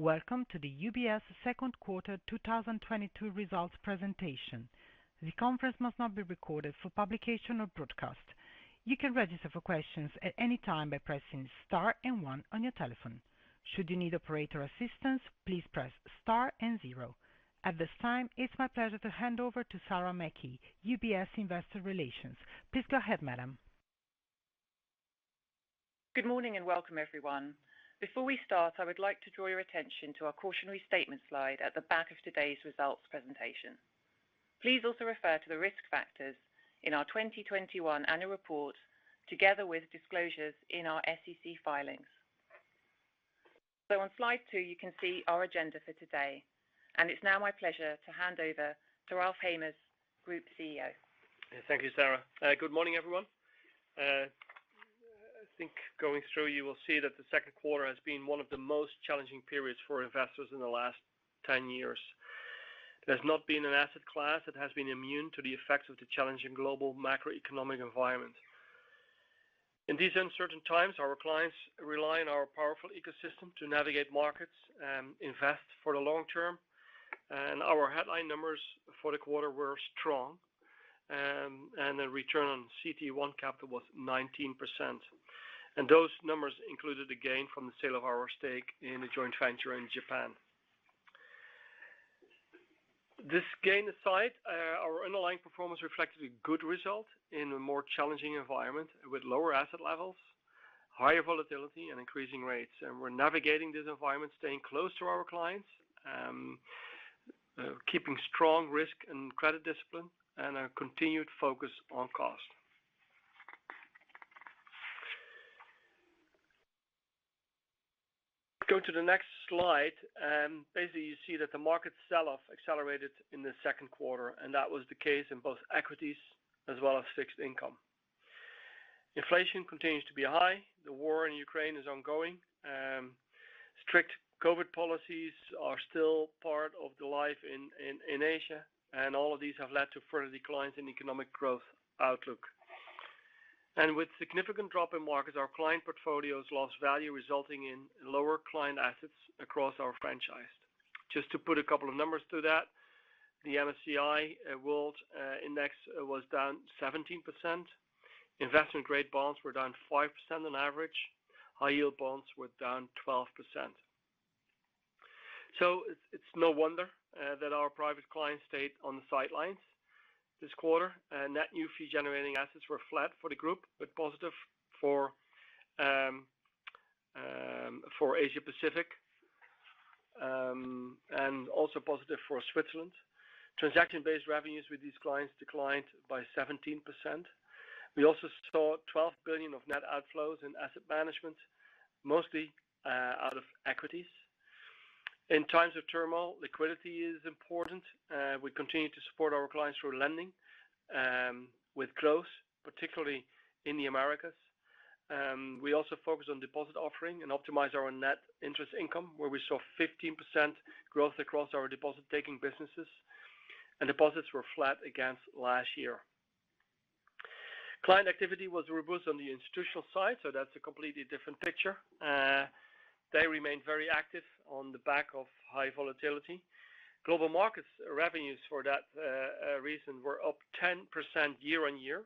Welcome to the UBS second quarter 2022 results presentation. The conference must not be recorded for publication or broadcast. You can register for questions at any time by pressing star and one on your telephone. Should you need operator assistance, please press star and zero. At this time, it's my pleasure to hand over to Sarah Mackey, UBS Investor Relations. Please go ahead, madam. Good morning and welcome, everyone. Before we start, I would like to draw your attention to our cautionary statement slide at the back of today's results presentation. Please also refer to the risk factors in our 2021 annual report, together with disclosures in our SEC filings. On slide two, you can see our agenda for today, and it's now my pleasure to hand over to Ralph Hamers, Group CEO. Thank you, Sarah. Good morning, everyone. I think going through, you will see that the second quarter has been one of the most challenging periods for investors in the last 10 years. There's not been an asset class that has been immune to the effects of the challenging global macroeconomic environment. In these uncertain times, our clients rely on our powerful ecosystem to navigate markets and invest for the long term. Our headline numbers for the quarter were strong, and the return on CT1 capital was 19%. Those numbers included a gain from the sale of our stake in a joint venture in Japan. This gain aside, our underlying performance reflected a good result in a more challenging environment with lower asset levels, higher volatility and increasing rates. We're navigating this environment, staying close to our clients, keeping strong risk and credit discipline and a continued focus on cost. Go to the next slide. Basically, you see that the market sell-off accelerated in the second quarter, and that was the case in both equities as well as fixed income. Inflation continues to be high. The war in Ukraine is ongoing. Strict COVID policies are still part of the life in Asia, and all of these have led to further declines in economic growth outlook. With significant drop in markets, our client portfolios lost value, resulting in lower client assets across our franchise. Just to put a couple of numbers to that, the MSCI World Index was down 17%. Investment grade bonds were down 5% on average. High yield bonds were down 12%. It's no wonder that our private clients stayed on the sidelines this quarter. Net new fee-generating assets were flat for the group, but positive for Asia Pacific, and also positive for Switzerland. Transaction-based revenues with these clients declined by 17%. We also saw $12 billion of net outflows in asset management, mostly out of equities. In times of turmoil, liquidity is important. We continue to support our clients through lending with growth, particularly in the Americas. We also focus on deposit offering and optimize our net interest income, where we saw 15% growth across our deposit-taking businesses, and deposits were flat against last year. Client activity was robust on the institutional side, so that's a completely different picture. They remained very active on the back of high volatility. Global Markets revenues for that reason were up 10% year-on-year.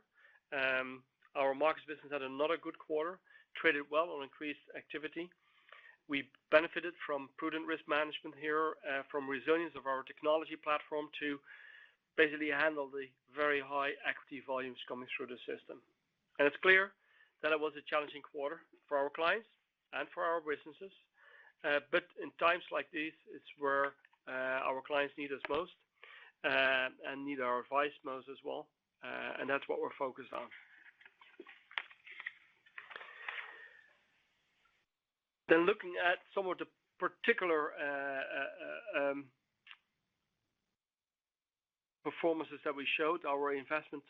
Our Markets business had another good quarter, traded well on increased activity. We benefited from prudent risk management here, from resilience of our technology platform to basically handle the very high equity volumes coming through the system. It's clear that it was a challenging quarter for our clients and for our businesses. In times like these, it's where our clients need us most, and need our advice most as well. That's what we're focused on. Looking at some of the particular performances that we showed, our investment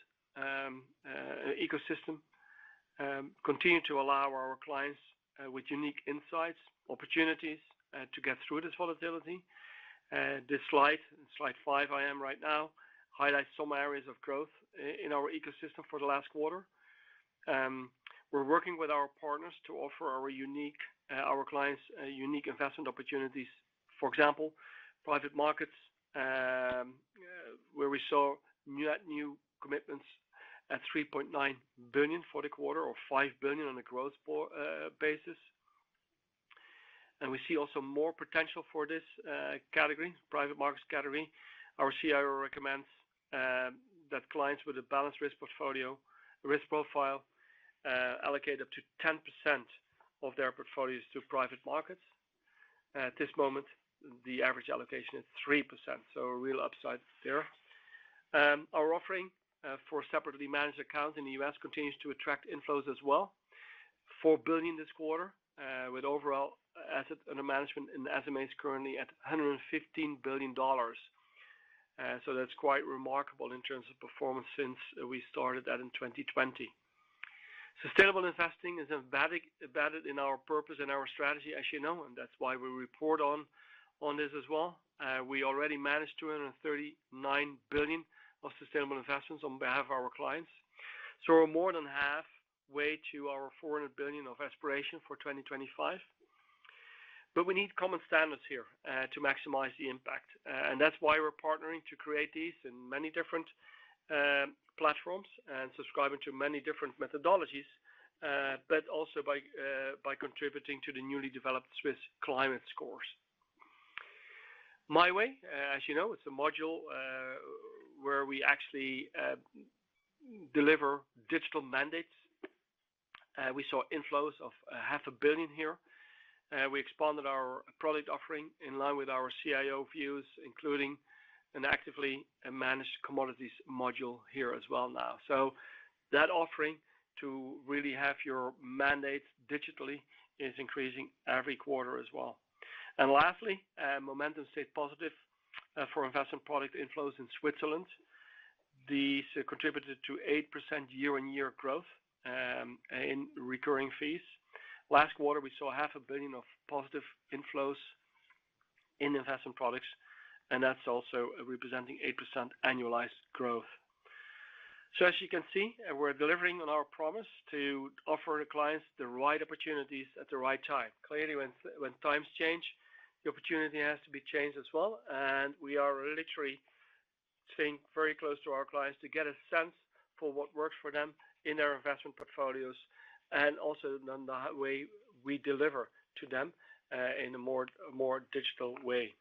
ecosystem continued to allow our clients with unique insights, opportunities to get through this volatility. This slide five, I am right now, highlights some areas of growth in our ecosystem for the last quarter. We're working with our partners to offer our clients unique investment opportunities. For example, private markets, where we saw net new commitments at $3.9 billion for the quarter or $5 billion on a growth basis. We see also more potential for this category, private markets. Our CIO recommends that clients with a balanced risk profile allocate up to 10% of their portfolios to private markets. At this moment, the average allocation is 3%, so a real upside there. Our offering for separately managed accounts in the U.S. continues to attract inflows as well. $4 billion this quarter, with overall assets under management in the SMAs currently at $115 billion. That's quite remarkable in terms of performance since we started that in 2020. Sustainable investing is embedded in our purpose and our strategy, as you know, and that's why we report on this as well. We already managed $239 billion of sustainable investments on behalf of our clients. We're more than half way to our $400 billion aspiration for 2025. We need common standards here, to maximize the impact. That's why we're partnering to create these in many different platforms and subscribing to many different methodologies, but also by contributing to the newly developed Swiss Climate Scores. My Way, as you know, it's a module where we actually deliver digital mandates. We saw inflows of half a billion here. We expanded our product offering in line with our CIO views, including an actively managed commodities module here as well now. That offering to really have your mandates digitally is increasing every quarter as well. Lastly, momentum stayed positive for investment product inflows in Switzerland. These contributed to 8% year-on-year growth in recurring fees. Last quarter, we saw half a billion of positive inflows in investment products, and that's also representing 8% annualized growth. As you can see, we're delivering on our promise to offer clients the right opportunities at the right time. Clearly, when times change, the opportunity has to be changed as well. We are literally staying very close to our clients to get a sense for what works for them in their investment portfolios, and also then the way we deliver to them in a more digital way.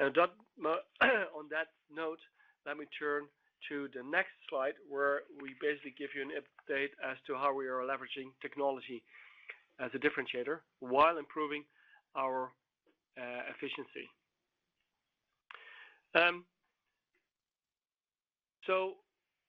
On that note, let me turn to the next slide, where we basically give you an update as to how we are leveraging technology as a differentiator while improving our efficiency.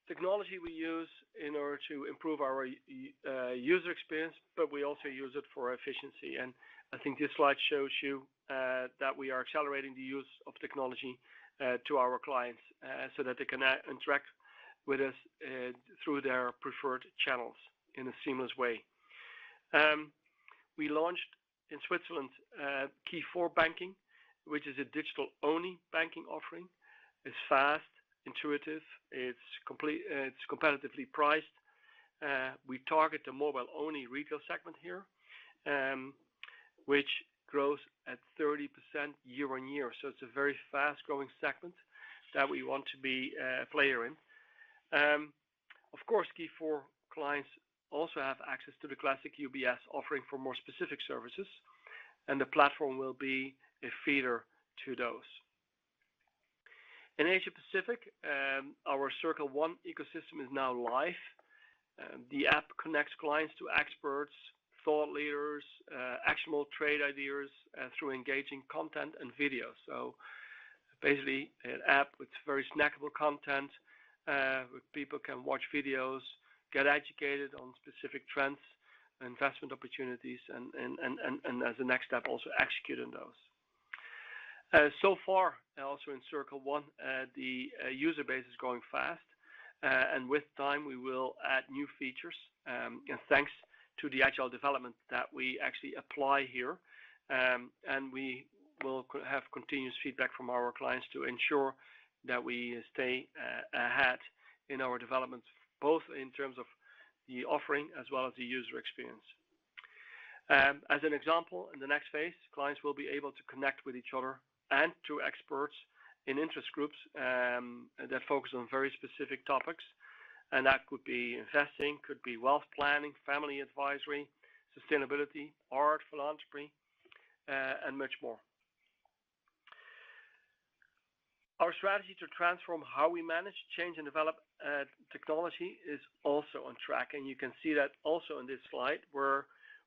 Technology we use in order to improve our user experience, but we also use it for efficiency. I think this slide shows you that we are accelerating the use of technology to our clients so that they can interact with us through their preferred channels in a seamless way. We launched in Switzerland key4 banking, which is a digital-only banking offering. It's fast, intuitive. It's complete. It's competitively priced. We target the mobile-only retail segment here, which grows at 30% year-over-year. It's a very fast-growing segment that we want to be a player in. Of course, key4 clients also have access to the classic UBS offering for more specific services, and the platform will be a feeder to those. In Asia Pacific, our Circle One ecosystem is now live. The app connects clients to experts, thought leaders, actionable trade ideas through engaging content and video. Basically an app with very snackable content, where people can watch videos, get educated on specific trends, investment opportunities, and as a next step, also execute on those. So far, also in Circle One, the user base is growing fast. With time, we will add new features, thanks to the agile development that we actually apply here. We will have continuous feedback from our clients to ensure that we stay ahead in our developments, both in terms of the offering as well as the user experience. As an example, in the next phase, clients will be able to connect with each other and to experts in interest groups that focus on very specific topics. That could be investing, could be wealth planning, family advisory, sustainability, art, philanthropy, and much more. Our strategy to transform how we manage change and develop technology is also on track. You can see that also in this slide, where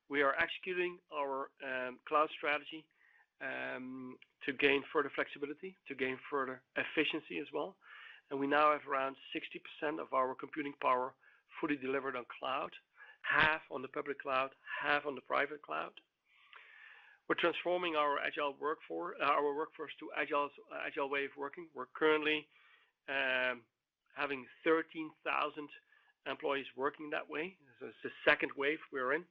we are executing our cloud strategy to gain further flexibility, to gain further efficiency as well. We now have around 60% of our computing power fully delivered on cloud, half on the public cloud, half on the private cloud. We're transforming our workforce to agile way of working. We're currently having 13,000 employees working that way. This is the second wave we're in.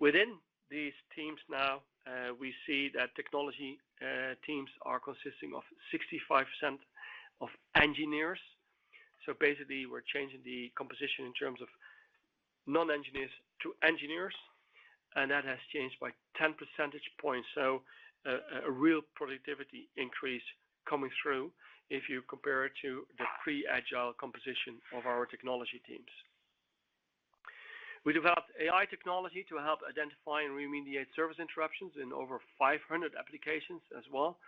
Within these teams now, we see that technology teams are consisting of 65% of engineers. So basically, we're changing the composition in terms of non-engineers to engineers, and that has changed by 10 percentage points. So a real productivity increase coming through if you compare it to the pre-agile composition of our technology teams. We developed AI technology to help identify and remediate service interruptions in over 500 applications as well,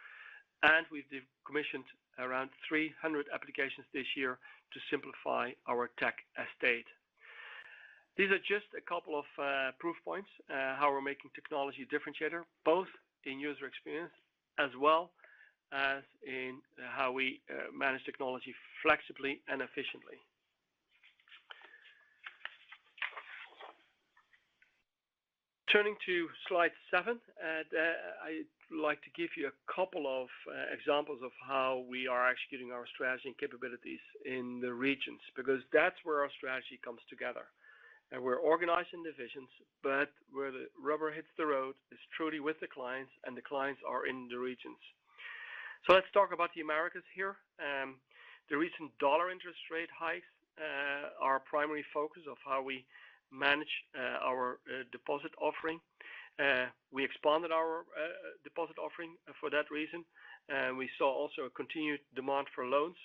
and we've decommissioned around 300 applications this year to simplify our tech estate. These are just a couple of proof points how we're making technology a differentiator, both in user experience as well as in how we manage technology flexibly and efficiently. Turning to slide seven, I'd like to give you a couple of examples of how we are executing our strategy and capabilities in the regions, because that's where our strategy comes together. We're organized in divisions, but where the rubber hits the road is truly with the clients, and the clients are in the regions. Let's talk about the Americas here. The recent dollar interest-rate hikes are a primary focus of how we manage our deposit offering. We expanded our deposit offering for that reason. We also saw a continued demand for loans.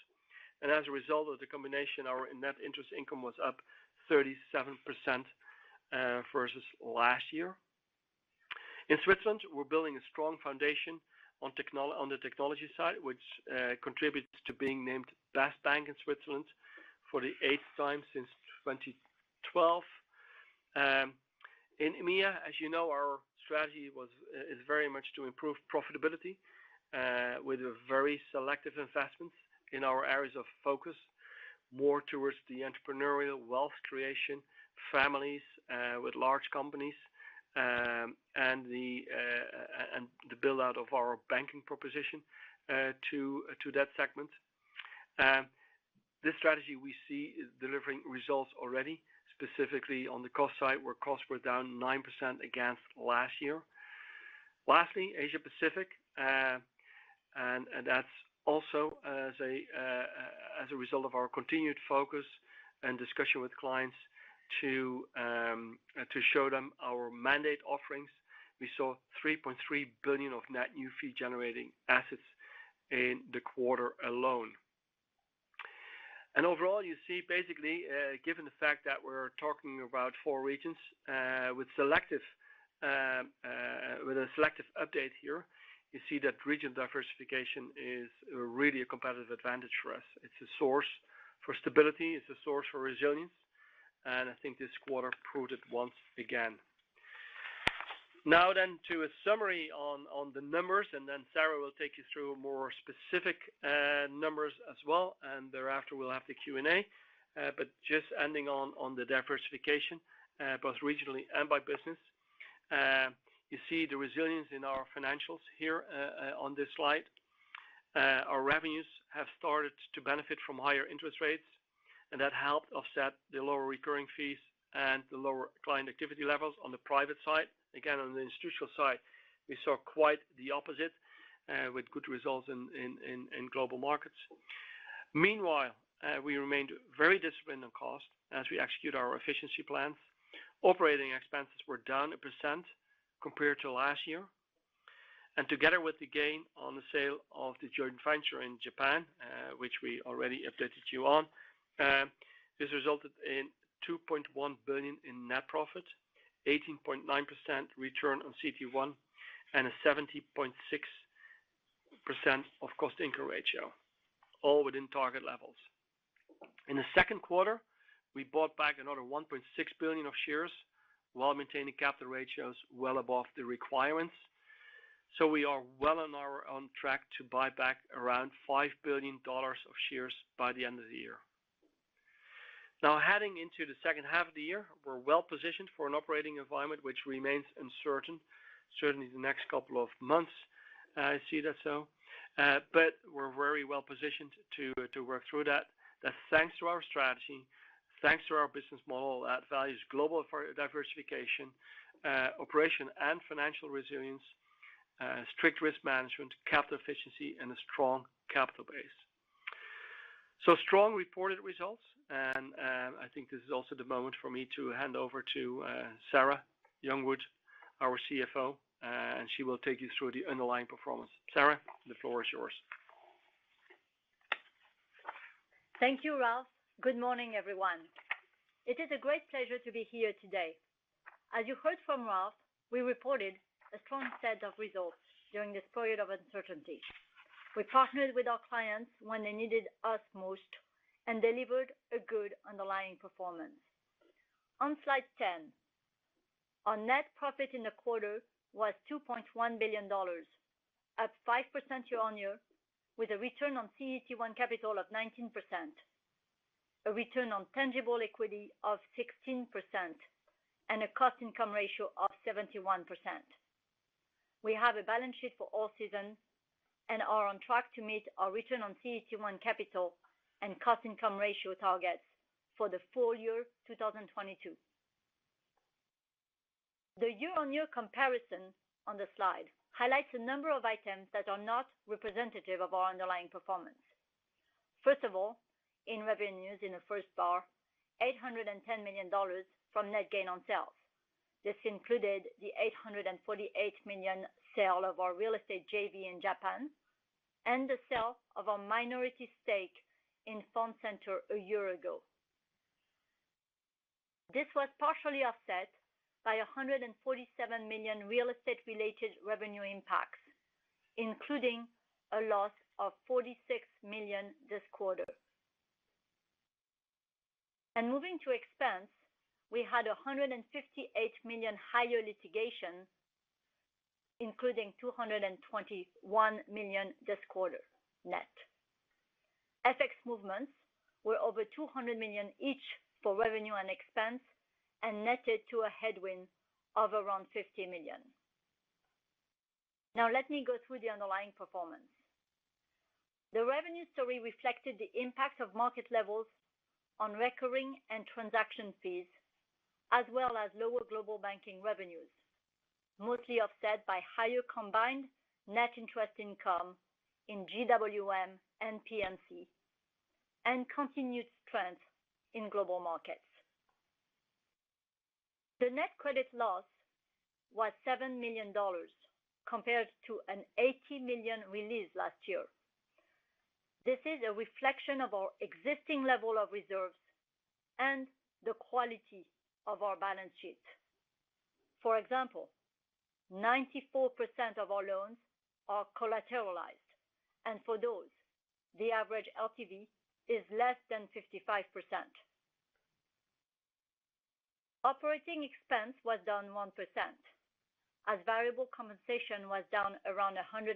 As a result of the combination, our net interest income was up 37%, versus last year. In Switzerland, we're building a strong foundation on the technology side, which contributes to being named best bank in Switzerland for the eighth time since 2012. In EMEA, as you know, our strategy is very much to improve profitability with a very selective investments in our areas of focus, more towards the entrepreneurial wealth creation, families with large companies, and the build-out of our banking proposition to that segment. This strategy we see is delivering results already, specifically on the cost side, where costs were down 9% against last year. Lastly, Asia-Pacific, and that's also as a result of our continued focus and discussion with clients to show them our mandate offerings. We saw $3.3 billion of net new fee-generating assets in the quarter alone. Overall, you see basically, given the fact that we're talking about four regions, with a selective update here, you see that region diversification is really a competitive advantage for us. It's a source for stability, it's a source for resilience, and I think this quarter proved it once again. Now to a summary on the numbers, and then Sarah will take you through more specific numbers as well, and thereafter we'll have the Q&A. Just ending on the diversification, both regionally and by business. You see the resilience in our financials here on this slide. Our revenues have started to benefit from higher interest rates, and that helped offset the lower recurring fees and the lower client activity levels on the private side. Again, on the institutional side, we saw quite the opposite with good results in global markets. Meanwhile, we remained very disciplined on cost as we execute our efficiency plans. Operating expenses were down a percent compared to last year. Together with the gain on the sale of the joint venture in Japan, which we already updated you on, this resulted in $2.1 billion in net profit, 18.9% return on CT1, and a 70.6% cost-income ratio, all within target levels. In the second quarter, we bought back another $1.6 billion of shares while maintaining capital ratios well above the requirements. We are well on our own track to buy back around $5 billion of shares by the end of the year. Now heading into the second half of the year, we're well-positioned for an operating environment which remains uncertain, certainly the next couple of months. But we're very well-positioned to work through that. That's thanks to our strategy, thanks to our business model that values global diversification, operational and financial resilience, strict risk management, capital efficiency, and a strong capital base. Strong reported results, and I think this is also the moment for me to hand over to Sarah Youngwood, our CFO, and she will take you through the underlying performance. Sarah, the floor is yours. Thank you, Ralph. Good morning, everyone. It is a great pleasure to be here today. As you heard from Ralph, we reported a strong set of results during this period of uncertainty. We partnered with our clients when they needed us most and delivered a good underlying performance. On slide 10, our net profit in the quarter was $2.1 billion, up 5% year-on-year with a return on CET1 capital of 19%, a return on tangible equity of 16%, and a cost-income ratio of 71%. We have a balance sheet for all seasons and are on track to meet our return on CET1 capital and cost-income ratio targets for the full year 2022. The year-on-year comparison on the slide highlights a number of items that are not representative of our underlying performance. First of all, in revenues in the first bar, $810 million from net gain on sales. This included the $848 million sale of our real estate JV in Japan and the sale of our minority stake in Fondcenter a year ago. This was partially offset by $147 million real estate-related revenue impacts, including a loss of $46 million this quarter. Moving to expense, we had $158 million higher litigation, including $221 million this quarter net. FX movements were over $200 million each for revenue and expense and netted to a headwind of around $50 million. Now let me go through the underlying performance. The revenue story reflected the impact of market levels on recurring and transaction fees, as well as lower global banking revenues, mostly offset by higher combined net interest income in GWM and P&C, and continued strength in global markets. The net credit loss was $7 million compared to an $80 million release last year. This is a reflection of our existing level of reserves and the quality of our balance sheet. For example, 94% of our loans are collateralized, and for those, the average LTV is less than 55%. Operating expense was down 1% as variable compensation was down around $130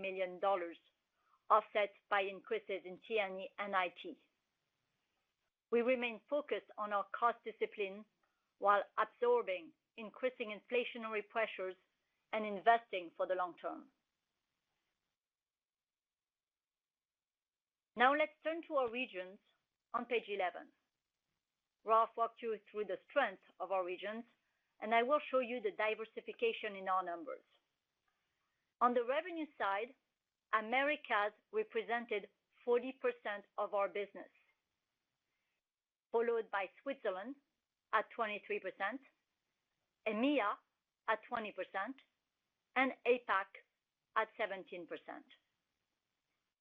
million, offset by increases in T&E and IT. We remain focused on our cost discipline while absorbing increasing inflationary pressures and investing for the long term. Now let's turn to our regions on page 11. Ralph Hamers walked you through the strength of our regions, and I will show you the diversification in our numbers. On the revenue side, Americas represented 40% of our business, followed by Switzerland at 23%, EMEA at 20%, and APAC at 17%.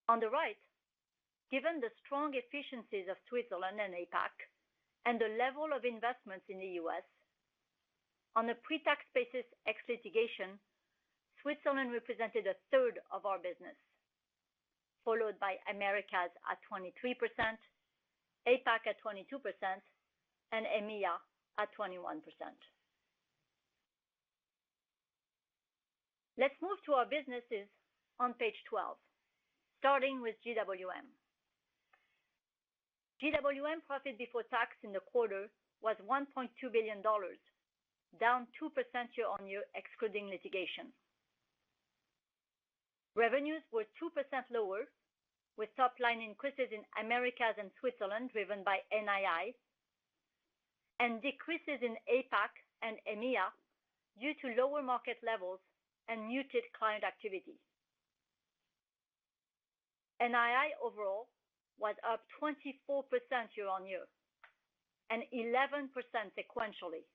On the right, given the strong efficiencies of Switzerland and APAC and the level of investments in the U.S., on a pre-tax basis ex litigation, Switzerland represented 1/3 of our business, followed by Americas at 23%, APAC at 22%, and EMEA at 21%. Let's move to our businesses on page 12, starting with GWM. GWM profit before tax in the quarter was $1.2 billion, down 2% year-over-year excluding litigation. Revenues were 2% lower, with top line increases in Americas and Switzerland driven by NII, and decreases in APAC and EMEA due to lower market levels and muted client activity. NII overall was up 24% year-on-year and 11% sequentially,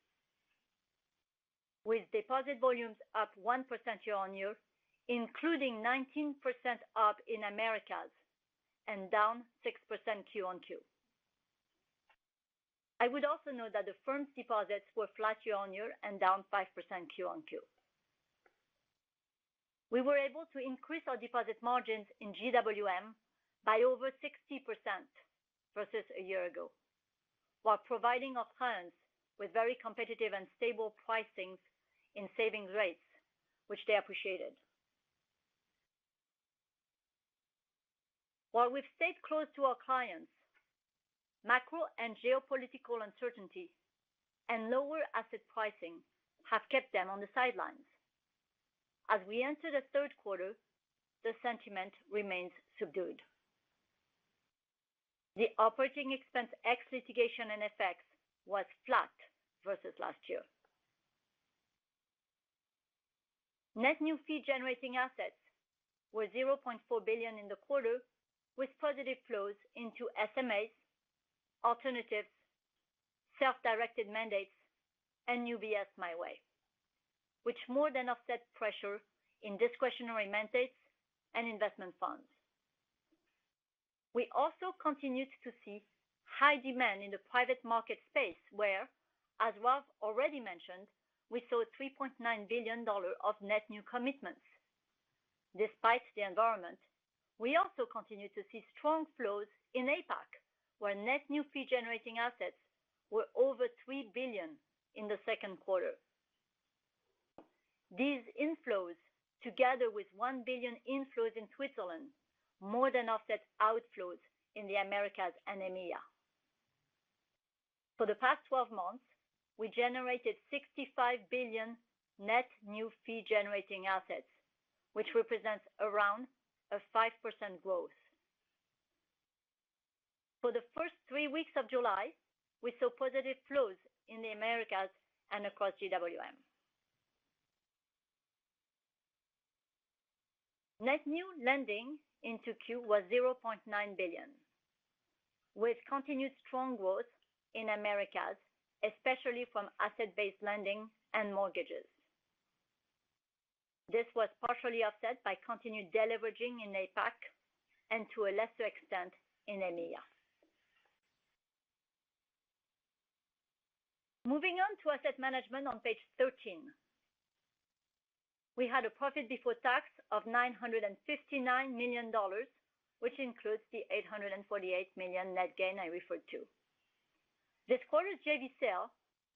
with deposit volumes up 1% year-on-year, including 19% up in Americas and down 6% Q-on-Q. I would also note that the firm's deposits were flat year-on-year and down 5% Q-on-Q. We were able to increase our deposit margins in GWM by over 60% versus a year ago, while providing our clients with very competitive and stable pricing in savings rates, which they appreciated. While we've stayed close to our clients, macro and geopolitical uncertainty and lower asset pricing have kept them on the sidelines. As we enter the third quarter, the sentiment remains subdued. The operating expense ex litigation and FX was flat versus last year. Net new fee-generating assets were $0.4 billion in the quarter, with positive flows into SMAs, alternatives, self-directed mandates, and UBS My Way, which more than offset pressure in discretionary mandates and investment funds. We also continued to see high demand in the private market space where, as Ralph already mentioned, we saw $3.9 billion of net new commitments. Despite the environment, we also continued to see strong flows in APAC, where net new fee-generating assets were over $3 billion in the second quarter. These inflows, together with $1 billion inflows in Switzerland, more than offset outflows in the Americas and EMEA. For the past 12 months, we generated $65 billion net new fee-generating assets, which represents around a 5% growth. For the first three weeks of July, we saw positive flows in the Americas and across GWM. Net new lending into Q was $0.9 billion, with continued strong growth in Americas, especially from asset-based lending and mortgages. This was partially offset by continued deleveraging in APAC and to a lesser extent in EMEA. Moving on to asset management on page 13. We had a profit before tax of $959 million, which includes the $848 million net gain I referred to. This quarter's JV sale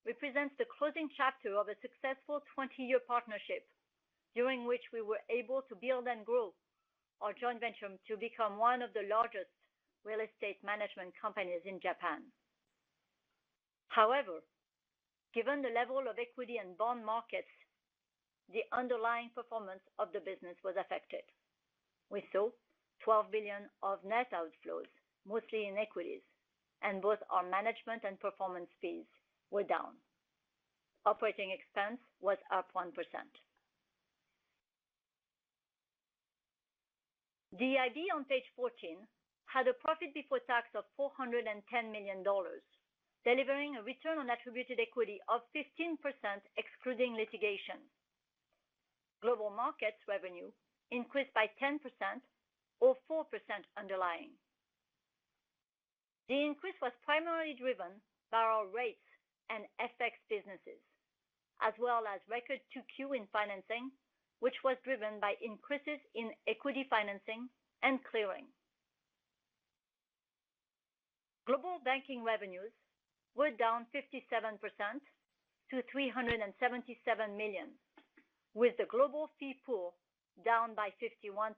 represents the closing chapter of a successful 20-year partnership, during which we were able to build and grow our joint venture to become one of the largest real estate management companies in Japan. However, given the level of equity and bond markets, the underlying performance of the business was affected. We saw $12 billion of net outflows, mostly in equities, and both our management and performance fees were down. Operating expense was up 1%. The IB on page 14 had a profit before tax of $410 million, delivering a return on attributed equity of 15% excluding litigation. Global markets revenue increased by 10% or 4% underlying. The increase was primarily driven by our rates and FX businesses, as well as record 2Q in financing, which was driven by increases in equity financing and clearing. Global banking revenues were down 57% to $377 million, with the global fee pool down by 51%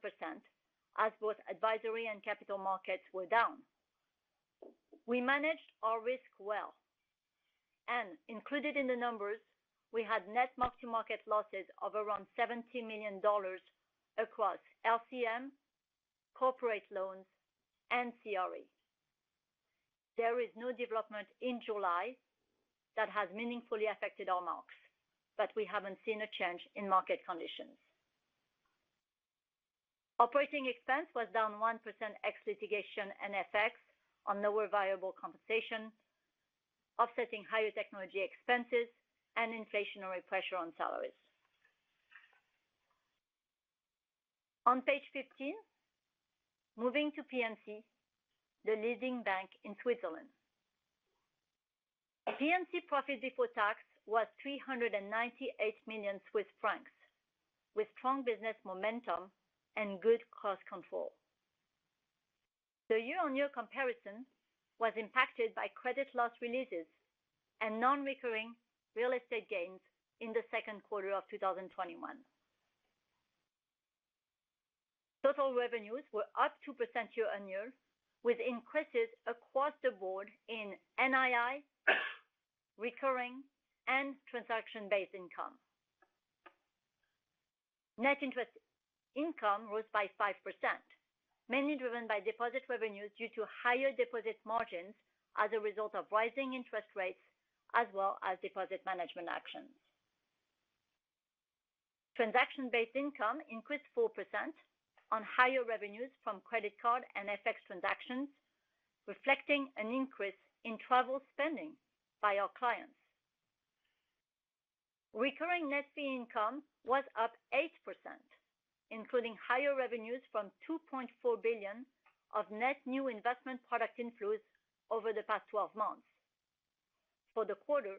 as both advisory and capital markets were down. We managed our risk well, and included in the numbers, we had net mark-to-market losses of around $70 million across LCM, corporate loans, and CRE. There is no development in July that has meaningfully affected our markets, but we haven't seen a change in market conditions. Operating expense was down 1% ex litigation and FX on lower variable compensation, offsetting higher technology expenses and inflationary pressure on salaries. On page 15, moving to P&C, the leading bank in Switzerland. P&C profit before tax was 398 million Swiss francs, with strong business momentum and good cost control. The year-on-year comparison was impacted by credit loss releases and non-recurring real estate gains in the second quarter of 2021. Total revenues were up 2% year-on-year, with increases across the board in NII, recurring, and transaction-based income. Net interest income rose by 5%, mainly driven by deposit revenues due to higher deposit margins as a result of rising interest rates as well as deposit management actions. Transaction-based income increased 4% on higher revenues from credit card and FX transactions, reflecting an increase in travel spending by our clients. Recurring net fee income was up 8%, including higher revenues from $2.4 billion of net new investment product inflows over the past 12 months. For the quarter,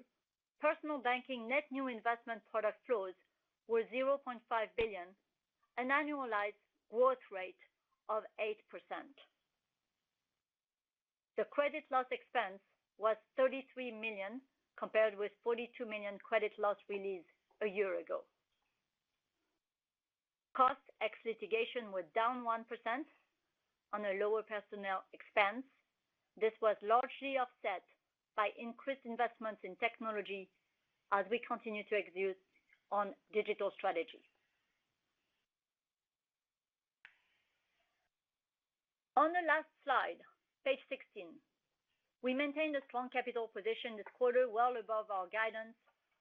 personal banking net new investment product flows were $0.5 billion, an annualized growth rate of 8%. The credit loss expense was $33 million compared with $42 million credit loss release a year ago. Cost ex litigation was down 1% on a lower personnel expense. This was largely offset by increased investments in technology as we continue to execute on digital strategy. On the last slide, page 16, we maintained a strong capital position this quarter, well above our guidance,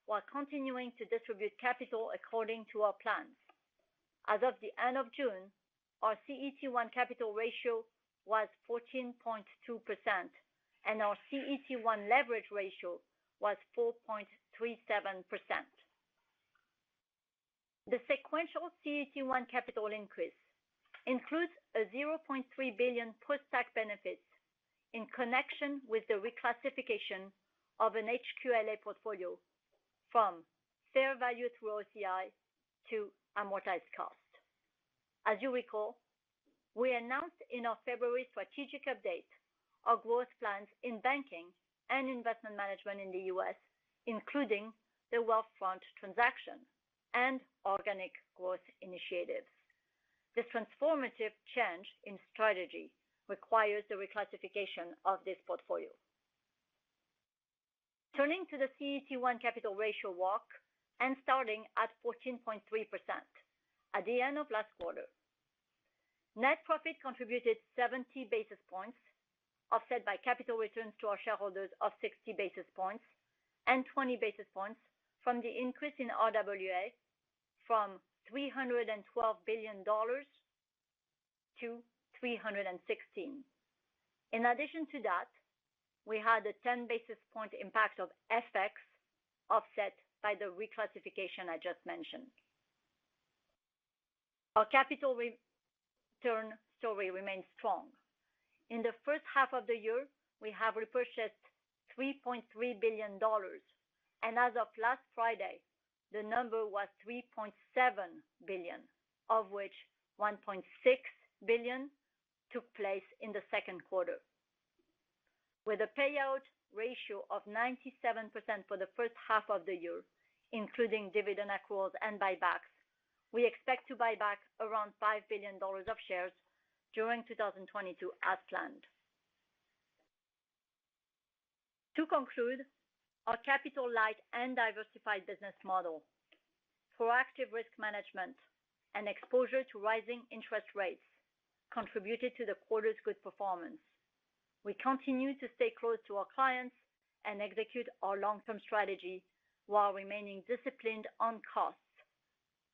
while continuing to distribute capital according to our plans. As of the end of June, our CET1 capital ratio was 14.2%, and our CET1 leverage ratio was 4.37%. The sequential CET1 capital increase includes a $0.3 billion post-tax benefits in connection with the reclassification of an HQLA portfolio from fair value through OCI to amortized cost. As you recall, we announced in our February strategic update our growth plans in banking and investment management in the U.S., including the Wealthfront transaction and organic growth initiatives. This transformative change in strategy requires the reclassification of this portfolio. Turning to the CET1 capital ratio walk and starting at 14.3% at the end of last quarter. Net profit contributed 70 basis points, offset by capital returns to our shareholders of 60 basis points and 20 basis points from the increase in RWA from $312 billion to $316 billion. In addition to that, we had a 10 basis point impact of FX offset by the reclassification I just mentioned. Our capital return story remains strong. In the first half of the year, we have repurchased $3.3 billion. As of last Friday, the number was $3.7 billion, of which $1.6 billion took place in the second quarter. With a payout ratio of 97% for the first half of the year, including dividend accruals and buybacks, we expect to buy back around $5 billion of shares during 2022 as planned. To conclude, our capital light and diversified business model, proactive risk management and exposure to rising interest rates contributed to the quarter's good performance. We continue to stay close to our clients and execute our long-term strategy while remaining disciplined on costs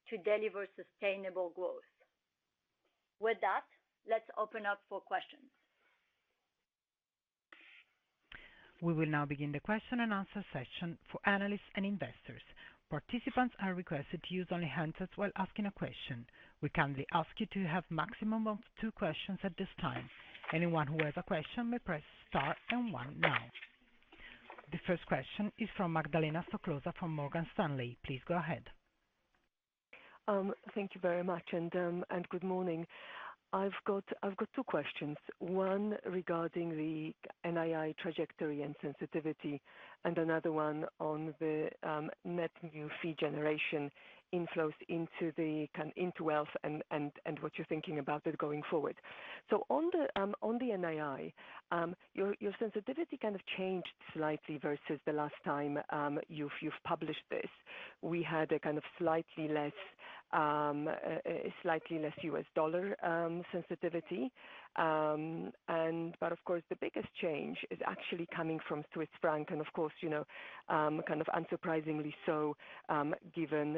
to deliver sustainable growth. With that, let's open up for questions. We will now begin the question and answer session for analysts and investors. Participants are requested to use only handset while asking a question. We kindly ask you to have maximum of two questions at this time. Anyone who has a question may press star and one now. The first question is from Magdalena Stoklosa from Morgan Stanley. Please go ahead. Thank you very much and good morning. I've got two questions. One regarding the NII trajectory and sensitivity, and another one on the net new fee generation inflows into wealth and what you're thinking about it going forward. On the NII, your sensitivity kind of changed slightly versus the last time you've published this. We had a kind of slightly less US dollar sensitivity. But of course, the biggest change is actually coming from Swiss franc. Of course, you know, kind of unsurprisingly so, given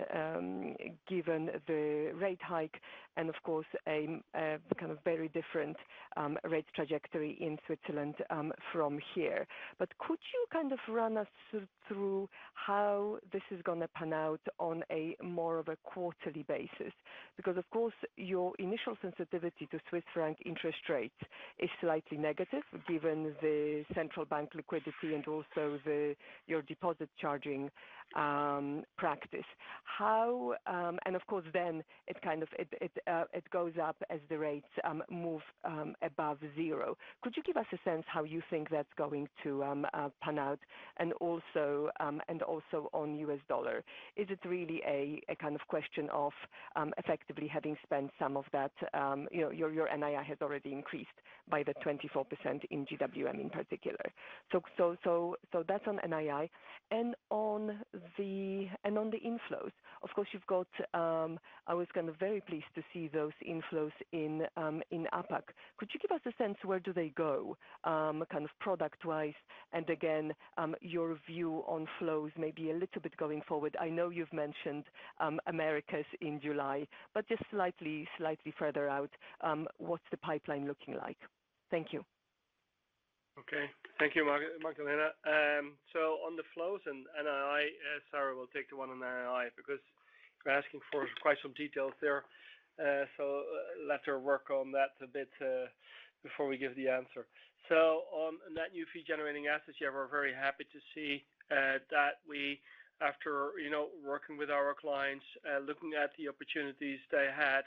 the rate hike and of course a kind of very different rate trajectory in Switzerland, from here. Could you kind of run us through how this is gonna pan out on a more of a quarterly basis? Because of course, your initial sensitivity to Swiss franc interest rates is slightly negative given the central bank liquidity and also your deposit charging practice. How and of course then it kind of goes up as the rates move above zero. Could you give us a sense how you think that's going to pan out and also on US dollar? Is it really a kind of question of effectively having spent some of that you know your NII has already increased by the 24% in GWM in particular. That's on NII. On the inflows, of course you've got, I was kind of very pleased to see those inflows in APAC. Could you give us a sense where do they go, kind of product wise? Again, your view on flows may be a little bit going forward. I know you've mentioned Americas in July, but just slightly further out, what's the pipeline looking like? Thank you. Okay. Thank you, Magdalena. On the flows and NII, Sarah will take the one on NII because you're asking for quite some details there. Let her work on that a bit before we give the answer. On net new fee-generating assets, yeah, we're very happy to see that we after, you know, working with our clients, looking at the opportunities they had,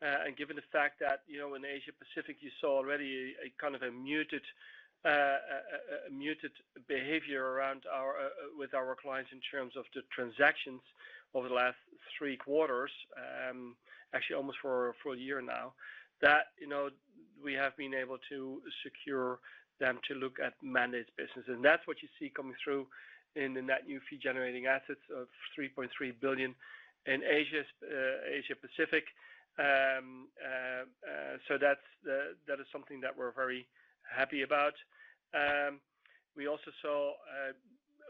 and given the fact that, you know, in Asia Pacific, you saw already a kind of a muted behavior around with our clients in terms of the transactions over the last three quarters, actually almost for a year now. That, you know, we have been able to secure them to look at mandates business. That's what you see coming through in the net new fee-generating assets of $3.3 billion in Asia Pacific. That is something that we're very happy about. We also saw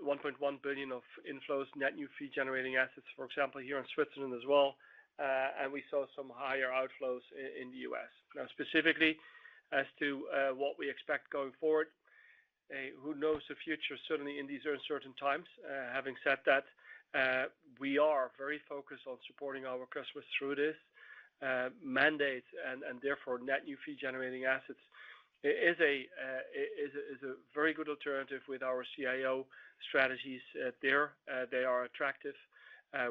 $1.1 billion of inflows net new fee-generating assets, for example, here in Switzerland as well. We saw some higher outflows in the U.S. Now, specifically as to what we expect going forward, who knows the future, certainly in these uncertain times. Having said that, we are very focused on supporting our customers through this mandate and therefore net new fee-generating assets is a very good alternative with our CIO strategies there. They are attractive.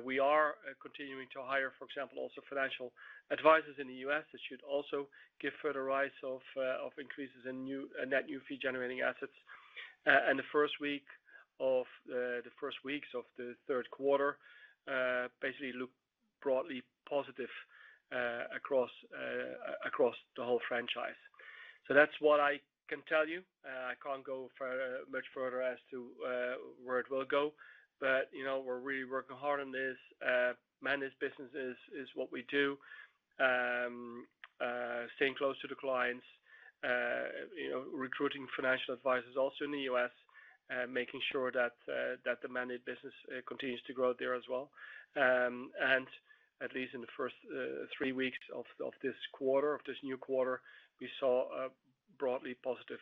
We are continuing to hire, for example, also financial advisors in the U.S. That should also give further rise of increases in net new fee-generating assets. The first weeks of the third quarter basically look broadly positive across the whole franchise. That's what I can tell you. I can't go further, much further as to where it will go. You know, we're really working hard on this. Managed business is what we do. Staying close to the clients, you know, recruiting financial advisors also in the U.S., making sure that the managed business continues to grow there as well. At least in the first three weeks of this new quarter, we saw broadly positive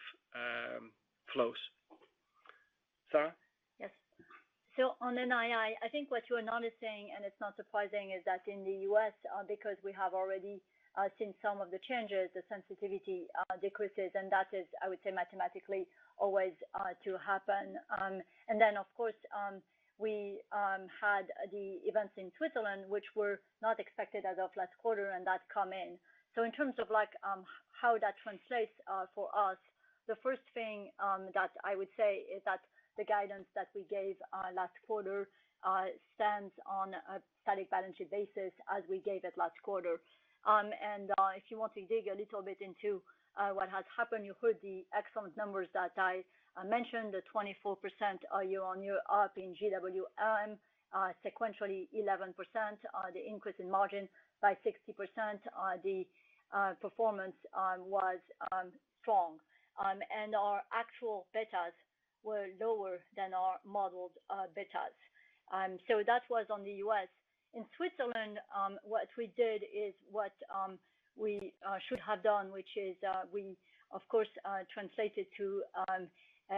flows. Sarah? Yes. On NII, I think what Magdalena Stoklosa is saying, and it's not surprising, is that in the U.S., because we have already seen some of the changes, the sensitivity decreases, and that is, I would say, mathematically always to happen. Of course, we had the events in Switzerland which were not expected as of last quarter and that come in. In terms of like, how that translates for us, the first thing that I would say is that the guidance that we gave last quarter stands on a static balance sheet basis as we gave it last quarter. If you want to dig a little bit into what has happened, you heard the excellent numbers that I mentioned, the 24% year-on-year up in GWM, sequentially 11%, the increase in margin by 60%. The performance was strong. Our actual betas were lower than our modeled betas. That was on the U.S. In Switzerland, what we did is what we should have done, which is, we of course translated to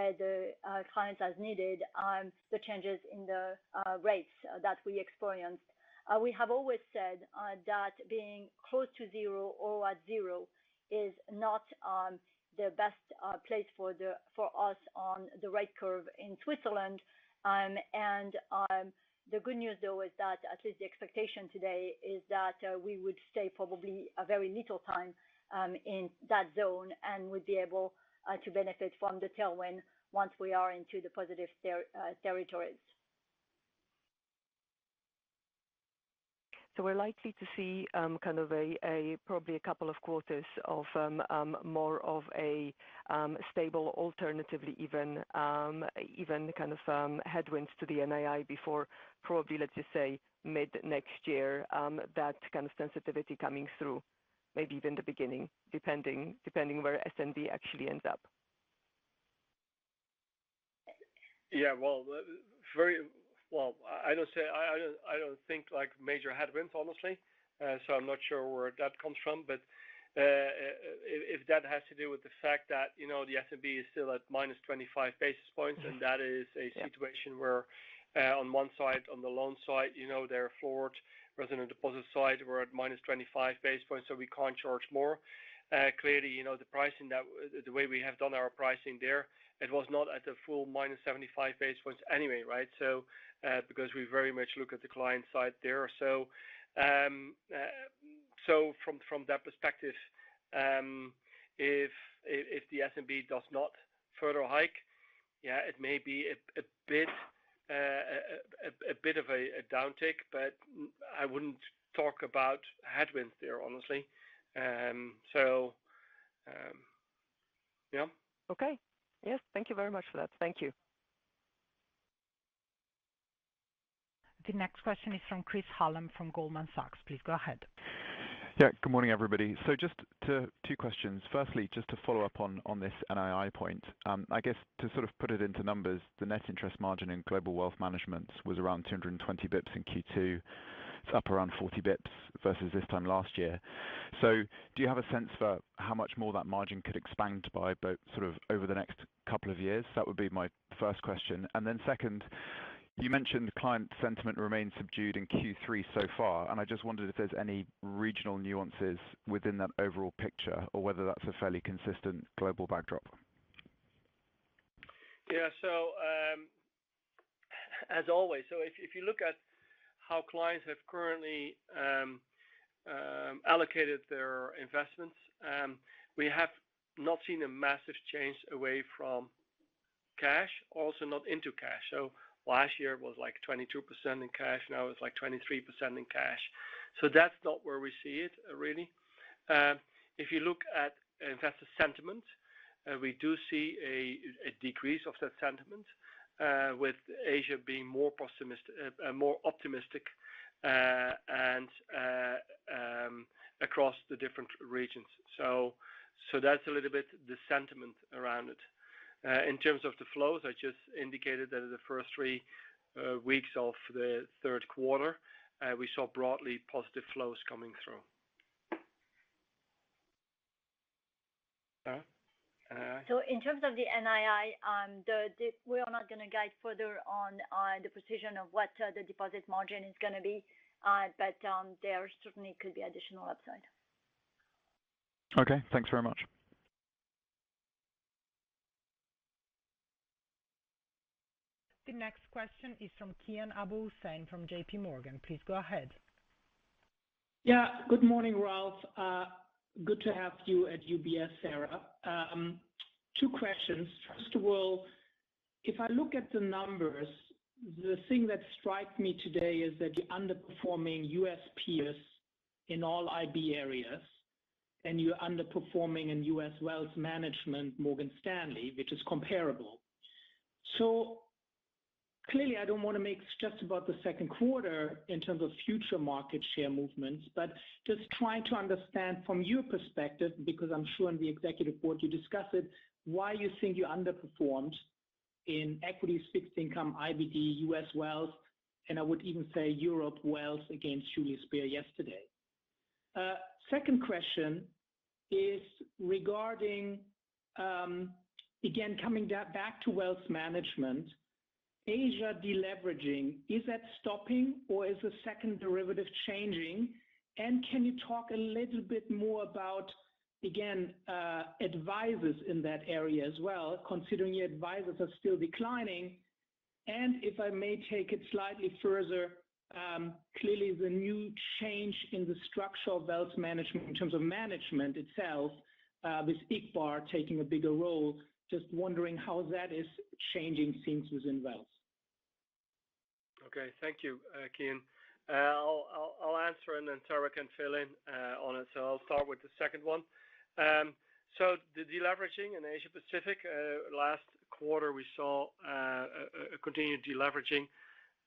the clients as needed on the changes in the rates that we experienced. We have always said that being close to zero or at zero is not the best place for us on the rate curve in Switzerland. The good news though is that, at least the expectation today, is that we would stay probably a very little time in that zone and would be able to benefit from the tailwind once we are into the positive territories. We're likely to see, kind of, probably a couple of quarters of more of a stable, alternatively even, kind of headwinds to the NII before probably, let's just say, mid-next year, that kind of sensitivity coming through, maybe even the beginning, depending where SNB actually ends up. I don't think like major headwinds, honestly. I'm not sure where that comes from. If that has to do with the fact that, you know, the SNB is still at -25 basis points, and that is a situation where, on one side, on the loan side, you know, they're floored. Resident deposit side, we're at -25 basis points, so we can't charge more. Clearly, you know, the way we have done our pricing there, it was not at a full -75 basis points anyway, right? Because we very much look at the client side there. From that perspective, if the SNB does not further hike, yeah, it may be a bit of a downtick, but I wouldn't talk about headwinds there, honestly. Yeah. Okay. Yes. Thank you very much for that. Thank you. The next question is from Chris Hallam from Goldman Sachs. Please go ahead. Yeah. Good morning, everybody. Just two questions. Firstly, just to follow up on this NII point, I guess to sort of put it into numbers, the net interest margin in Global Wealth Management was around 220 bip in Q2. It's up around 40 bip versus this time last year. Do you have a sense for how much more that margin could expand by both sort of over the next couple of years? That would be my first question. Then second, you mentioned client sentiment remains subdued in Q3 so far, and I just wondered if there's any regional nuances within that overall picture or whether that's a fairly consistent global backdrop. As always, if you look at how clients have currently allocated their investments, we have not seen a massive change away from cash, also not into cash. Last year was like 22% in cash, now it's like 23% in cash. That's not where we see it, really. If you look at investor sentiment, we do see a decrease of that sentiment, with Asia being more optimistic and across the different regions. That's a little bit the sentiment around it. In terms of the flows, I just indicated that in the first three weeks of the third quarter, we saw broadly positive flows coming through. Sarah? In terms of the NII, we are not gonna guide further on the precision of what the deposit margin is gonna be, but there certainly could be additional upside. Okay. Thanks very much. The next question is from Kian Abouhossein from JPMorgan. Please go ahead. Yeah. Good morning, Ralph. Good to have you at UBS, Sarah. Two questions. First of all, if I look at the numbers, the thing that strikes me today is that you're underperforming U.S. peers in all IB areas, and you're underperforming in US Wealth Management, Morgan Stanley, which is comparable. Clearly, I don't wanna make just about the second quarter in terms of future market share movements, but just trying to understand from your perspective, because I'm sure in the executive board you discuss it, why you think you underperformed in equities, fixed income, IBD, US Wealth, and I would even say Europe Wealth against Julius Baer yesterday. Second question is regarding, again, coming back to wealth management, Asia deleveraging, is that stopping or is the second derivative changing? Can you talk a little bit more about, again, advisors in that area as well, considering your advisors are still declining? If I may take it slightly further, clearly the new change in the structure of wealth management in terms of management itself, with Iqbal taking a bigger role, just wondering how that is changing things within wealth. Okay. Thank you, Kian. I'll answer and then Sarah can fill in on it. I'll start with the second one. The deleveraging in Asia Pacific last quarter, we saw a continued deleveraging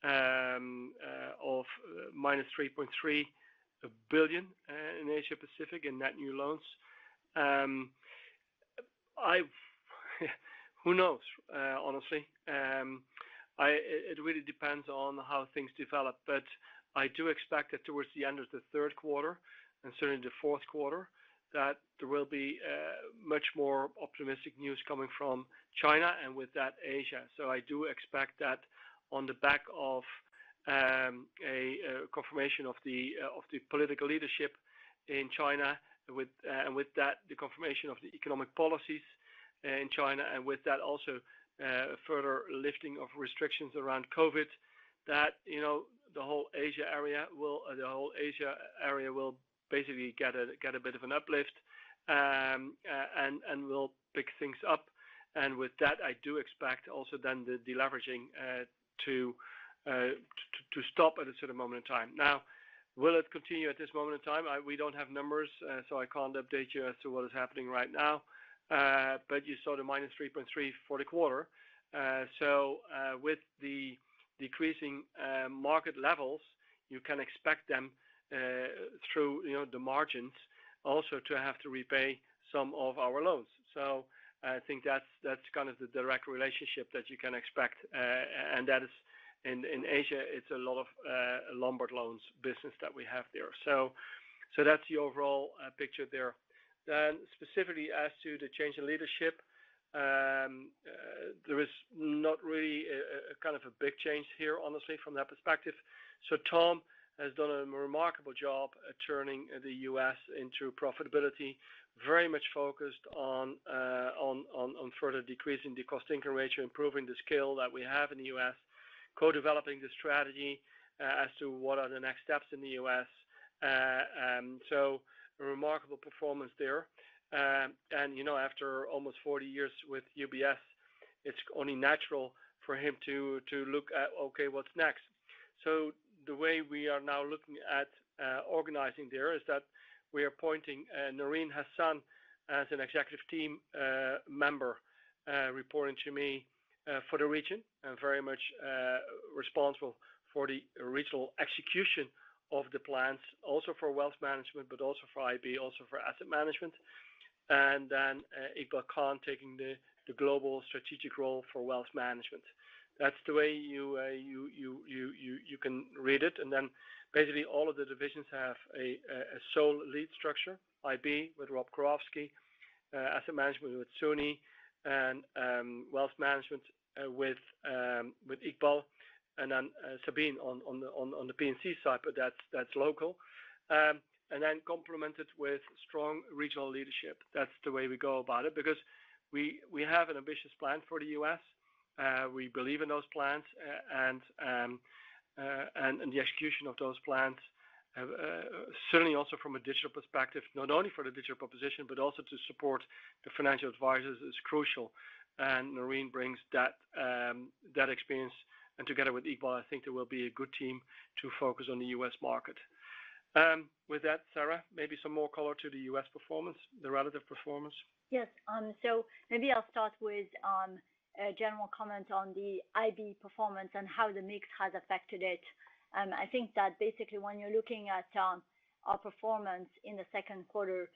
of -$3.3 billion in Asia Pacific in net new loans. Who knows? Honestly. It really depends on how things develop, but I do expect that towards the end of the third quarter and certainly the fourth quarter, that there will be much more optimistic news coming from China and with that, Asia. I do expect that on the back of a confirmation of the political leadership in China, with and with that, the confirmation of the economic policies in China, and with that also, further lifting of restrictions around COVID that, you know, the whole Asia area will basically get a bit of an uplift, and will pick things up. With that, I do expect also then the deleveraging to stop at a certain moment in time. Now, will it continue at this moment in time? We don't have numbers, so I can't update you as to what is happening right now. You saw the -3.3% for the quarter. With the decreasing market levels, you can expect them through, you know, the margins also to have to repay some of our loans. I think that's kind of the direct relationship that you can expect. And that is in Asia, it's a lot of Lombard loans business that we have there. That's the overall picture there. Specifically as to the change in leadership, there is not really a kind of a big change here, honestly, from that perspective. Tom has done a remarkable job at turning the U.S. into profitability, very much focused on further decreasing the cost-income ratio, improving the scale that we have in the U.S., co-developing the strategy as to what are the next steps in the U.S. A remarkable performance there. You know, after almost 40 years with UBS, it's only natural for him to look at, okay, what's next? The way we are now looking at organizing there is that we are appointing Naureen Hassan as an executive team member, reporting to me for the region, and very much responsible for the regional execution of the plans, also for wealth management, but also for IB, also for Asset Management. Iqbal Khan taking the global strategic role for wealth management. That's the way you can read it. Basically, all of the divisions have a sole lead structure IB with Rob Karofsky, asset management with Suni Harford and wealth management with Iqbal Khan and then Sabine on the P&C side, but that's local. Complemented with strong regional leadership. That's the way we go about it, because we have an ambitious plan for the U.S. We believe in those plans and the execution of those plans, certainly also from a digital perspective, not only for the digital proposition, but also to support the financial advisors is crucial. Naureen Hassan brings that experience, and together with Iqbal Khan, I think they will be a good team to focus on the U.S. market. With that, Sarah, maybe some more color to the U.S. performance, the relative performance. Yes. Maybe I'll start with a general comment on the IB performance and how the mix has affected it. I think that basically when you're looking at our performance in the second quarter,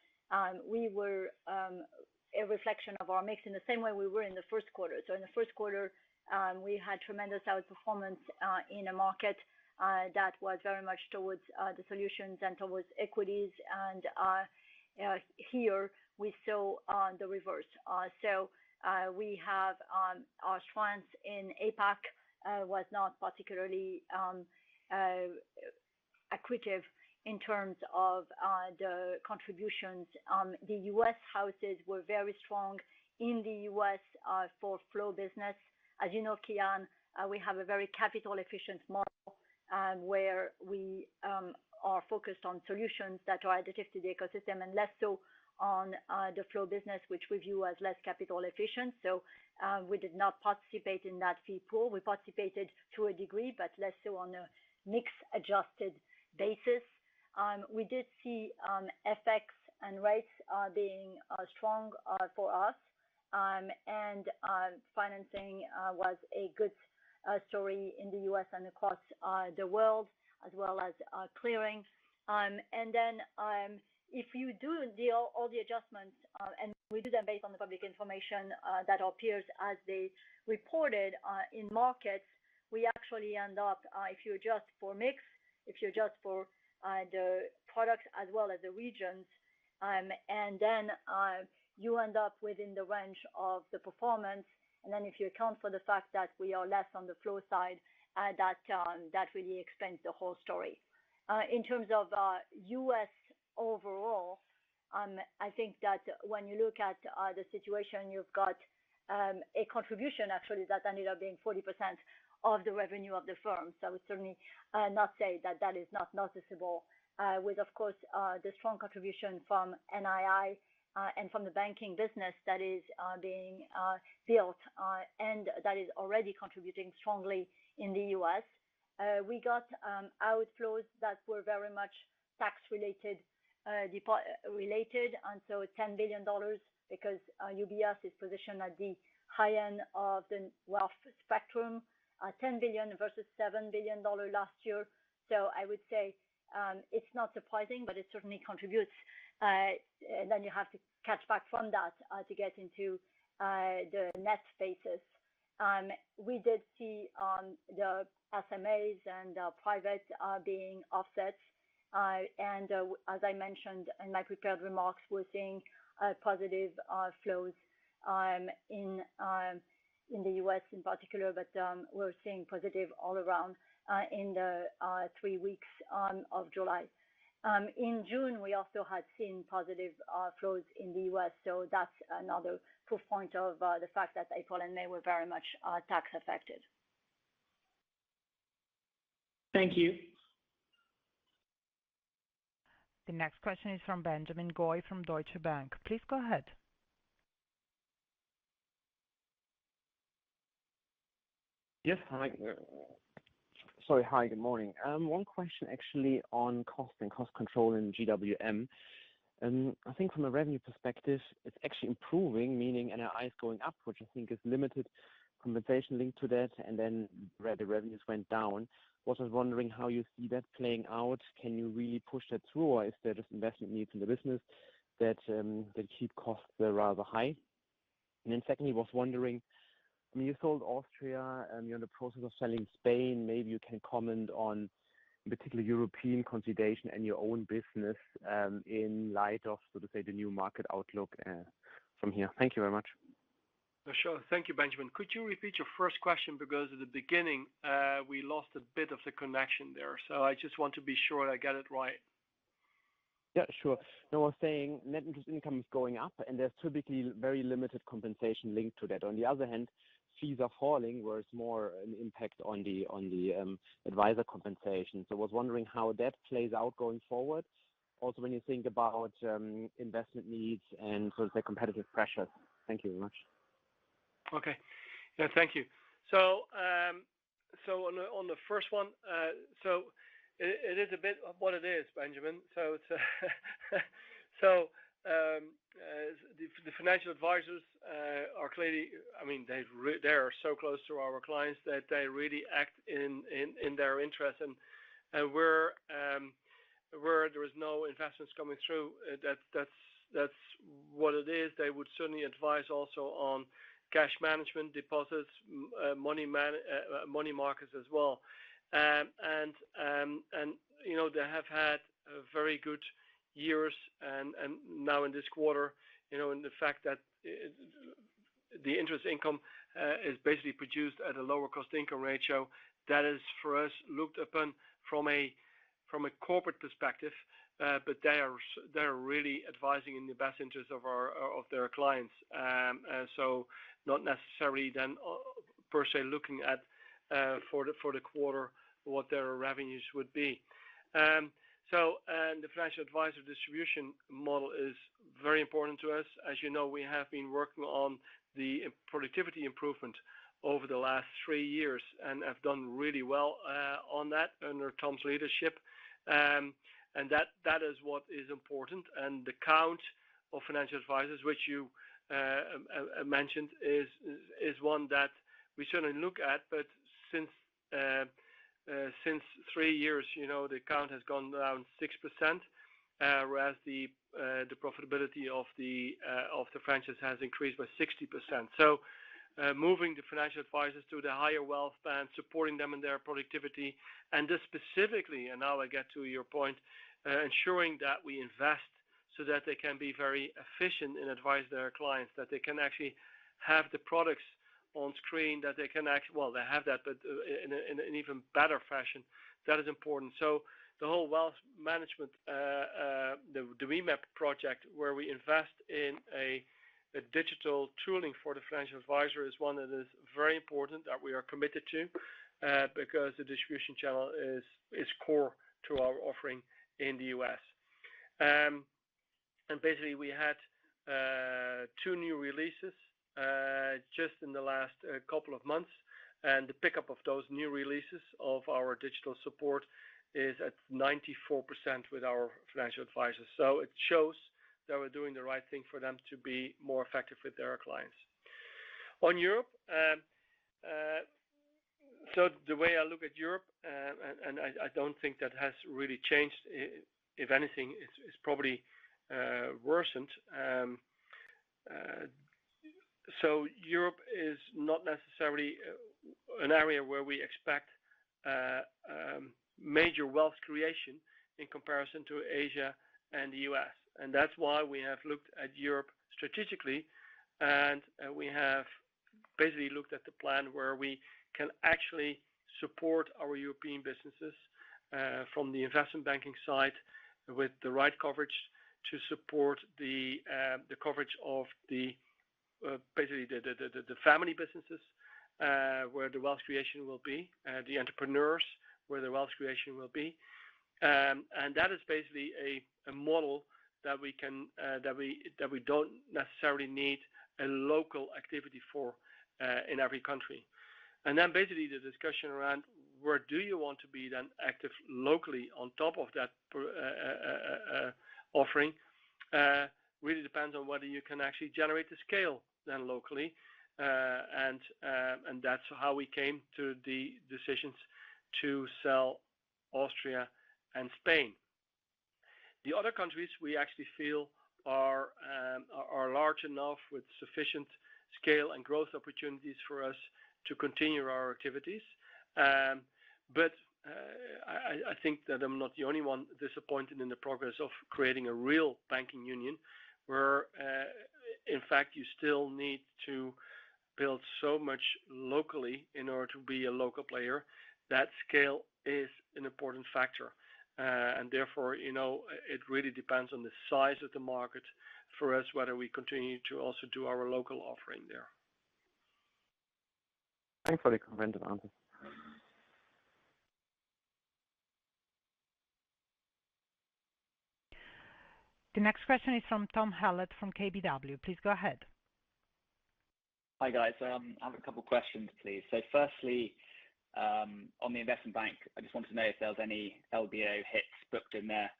we were a reflection of our mix in the same way we were in the first quarter. In the first quarter, we had tremendous outperformance in a market that was very much towards the solutions and towards equities. Here we saw the reverse. We have our strengths in APAC was not particularly accretive in terms of the contributions. The U.S. houses were very strong in the U.S. for flow business. As you know, Kian, we have a very capital-efficient model, where we are focused on solutions that are additive to the ecosystem and less so on the flow business, which we view as less capital efficient. We did not participate in that fee pool. We participated to a degree, but less so on a mix-adjusted basis. We did see FX and rates being strong for us. Financing was a good story in the U.S. and across the world, as well as clearing. If you do all the adjustments, and we do them based on the public information, that appears as they reported, in markets, we actually end up, if you adjust for mix, if you adjust for, the products as well as the regions, and then, you end up within the range of the performance. If you account for the fact that we are less on the flow side, that really explains the whole story. In terms of U.S. overall, I think that when you look at the situation, you've got a contribution actually that ended up being 40% of the revenue of the firm. I would certainly not say that is not noticeable, with, of course, the strong contribution from NII and from the banking business that is being built and that is already contributing strongly in the U.S. We got outflows that were very much tax related, and so $10 billion because UBS is positioned at the high end of the wealth spectrum, $10 billion versus $7 billion last year. I would say it's not surprising, but it certainly contributes. You have to catch back from that to get into the next phases. We did see the SMAs and the privates being offset. As I mentioned in my prepared remarks, we're seeing positive flows in the U.S. in particular, but we're seeing positive all around in the three weeks of July. In June, we also had seen positive outflows in the U.S., so that's another proof point of the fact that April and May were very much tax affected. Thank you. The next question is from Benjamin Goy from Deutsche Bank. Please go ahead. Good morning. One question actually on cost and cost control in GWM. I think from a revenue perspective, it's actually improving, meaning NII is going up, which I think is limited compensation linked to that, and then the revenues went down. I was just wondering how you see that playing out. Can you really push that through, or is there just investment needs in the business that keep costs rather high? Secondly, I was wondering, I mean, you sold Austria and you're in the process of selling Spain. Maybe you can comment on particularly European consolidation and your own business in light of, so to say, the new market outlook from here. Thank you very much. Sure. Thank you, Benjamin. Could you repeat your first question because at the beginning, we lost a bit of the connection there. I just want to be sure I get it right. Yeah, sure. I was saying net interest income is going up, and there's typically very limited compensation linked to that. On the other hand, fees are falling, where it's more an impact on the advisor compensation. I was wondering how that plays out going forward. Also, when you think about investment needs and so the competitive pressures. Thank you very much. Okay. Yeah, thank you. On the first one, it is a bit of what it is, Benjamin. It's the financial advisors are clearly I mean, they are so close to our clients that they really act in their interest. Where there is no investments coming through, that's what it is. They would certainly advise also on cash management deposits, money markets as well. You know, they have had very good years and now in this quarter, you know, and the fact that the interest income is basically produced at a lower cost-income ratio, that is, for us, looked upon from a corporate perspective. They're really advising in the best interests of our, of their clients. Not necessarily then per se, looking at, for the quarter, what their revenues would be. The financial advisor distribution model is very important to us. As you know, we have been working on the productivity improvement over the last three years and have done really well on that under Tom's leadership. That is what is important. The count of financial advisors, which you mentioned, is one that we certainly look at. Since three years, you know, the count has gone down 6%, whereas the profitability of the franchise has increased by 60%. Moving the financial advisors to the higher wealth band, supporting them in their productivity, and just specifically, and now I get to your point, ensuring that we invest so that they can be very efficient and advise their clients, that they can actually have the products on screen. Well, they have that, but in an even better fashion, that is important. The whole wealth management, the WM MAP project, where we invest in a digital tooling for the financial advisor, is one that is very important, that we are committed to, because the distribution channel is core to our offering in the U.S. Basically, we had two new releases just in the last couple of months, and the pickup of those new releases of our digital support is at 94% with our financial advisors. It shows that we're doing the right thing for them to be more effective with their clients. On Europe, the way I look at Europe, and I don't think that has really changed. If anything, it's probably worsened. Europe is not necessarily an area where we expect major wealth creation in comparison to Asia and the U.S. That's why we have looked at Europe strategically, and we have basically looked at the plan where we can actually support our European businesses from the investment banking side with the right coverage to support the coverage of basically the family businesses where the wealth creation will be the entrepreneurs where the wealth creation will be. That is basically a model that we don't necessarily need a local activity for in every country. Basically the discussion around where do you want to be then active locally on top of that offering really depends on whether you can actually generate the scale then locally. That's how we came to the decisions to sell Austria and Spain. The other countries we actually feel are large enough with sufficient scale and growth opportunities for us to continue our activities. I think that I'm not the only one disappointed in the progress of creating a real banking union where in fact you still need to build so much locally in order to be a local player. That scale is an important factor. Therefore, you know, it really depends on the size of the market for us, whether we continue to also do our local offering there. Thanks for the comprehensive answer. The next question is from Tom Hallett from KBW. Please go ahead. Hi, guys. I have a couple questions, please. Firstly, on the investment bank, I just wanted to know if there was any LBO hits booked in there,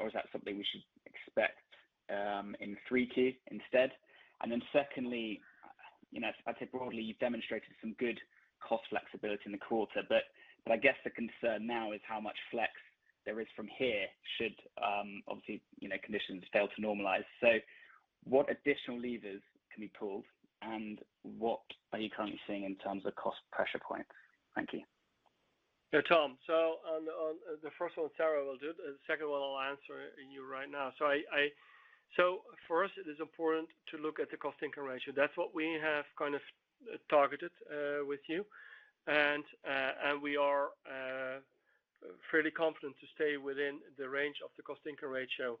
or is that something we should expect in 3Q instead? Secondly, you know, I'd say broadly, you've demonstrated some good cost flexibility in the quarter, but I guess the concern now is how much flex there is from here should obviously, you know, conditions fail to normalize. What additional levers can be pulled, and what are you currently seeing in terms of cost pressure points? Thank you. Yeah, Tom. On the first one, Sarah will do. The second one, I'll answer you right now. For us, it is important to look at the cost-income ratio. That's what we have kind of targeted with you. We are fairly confident to stay within the range of the cost-income ratio,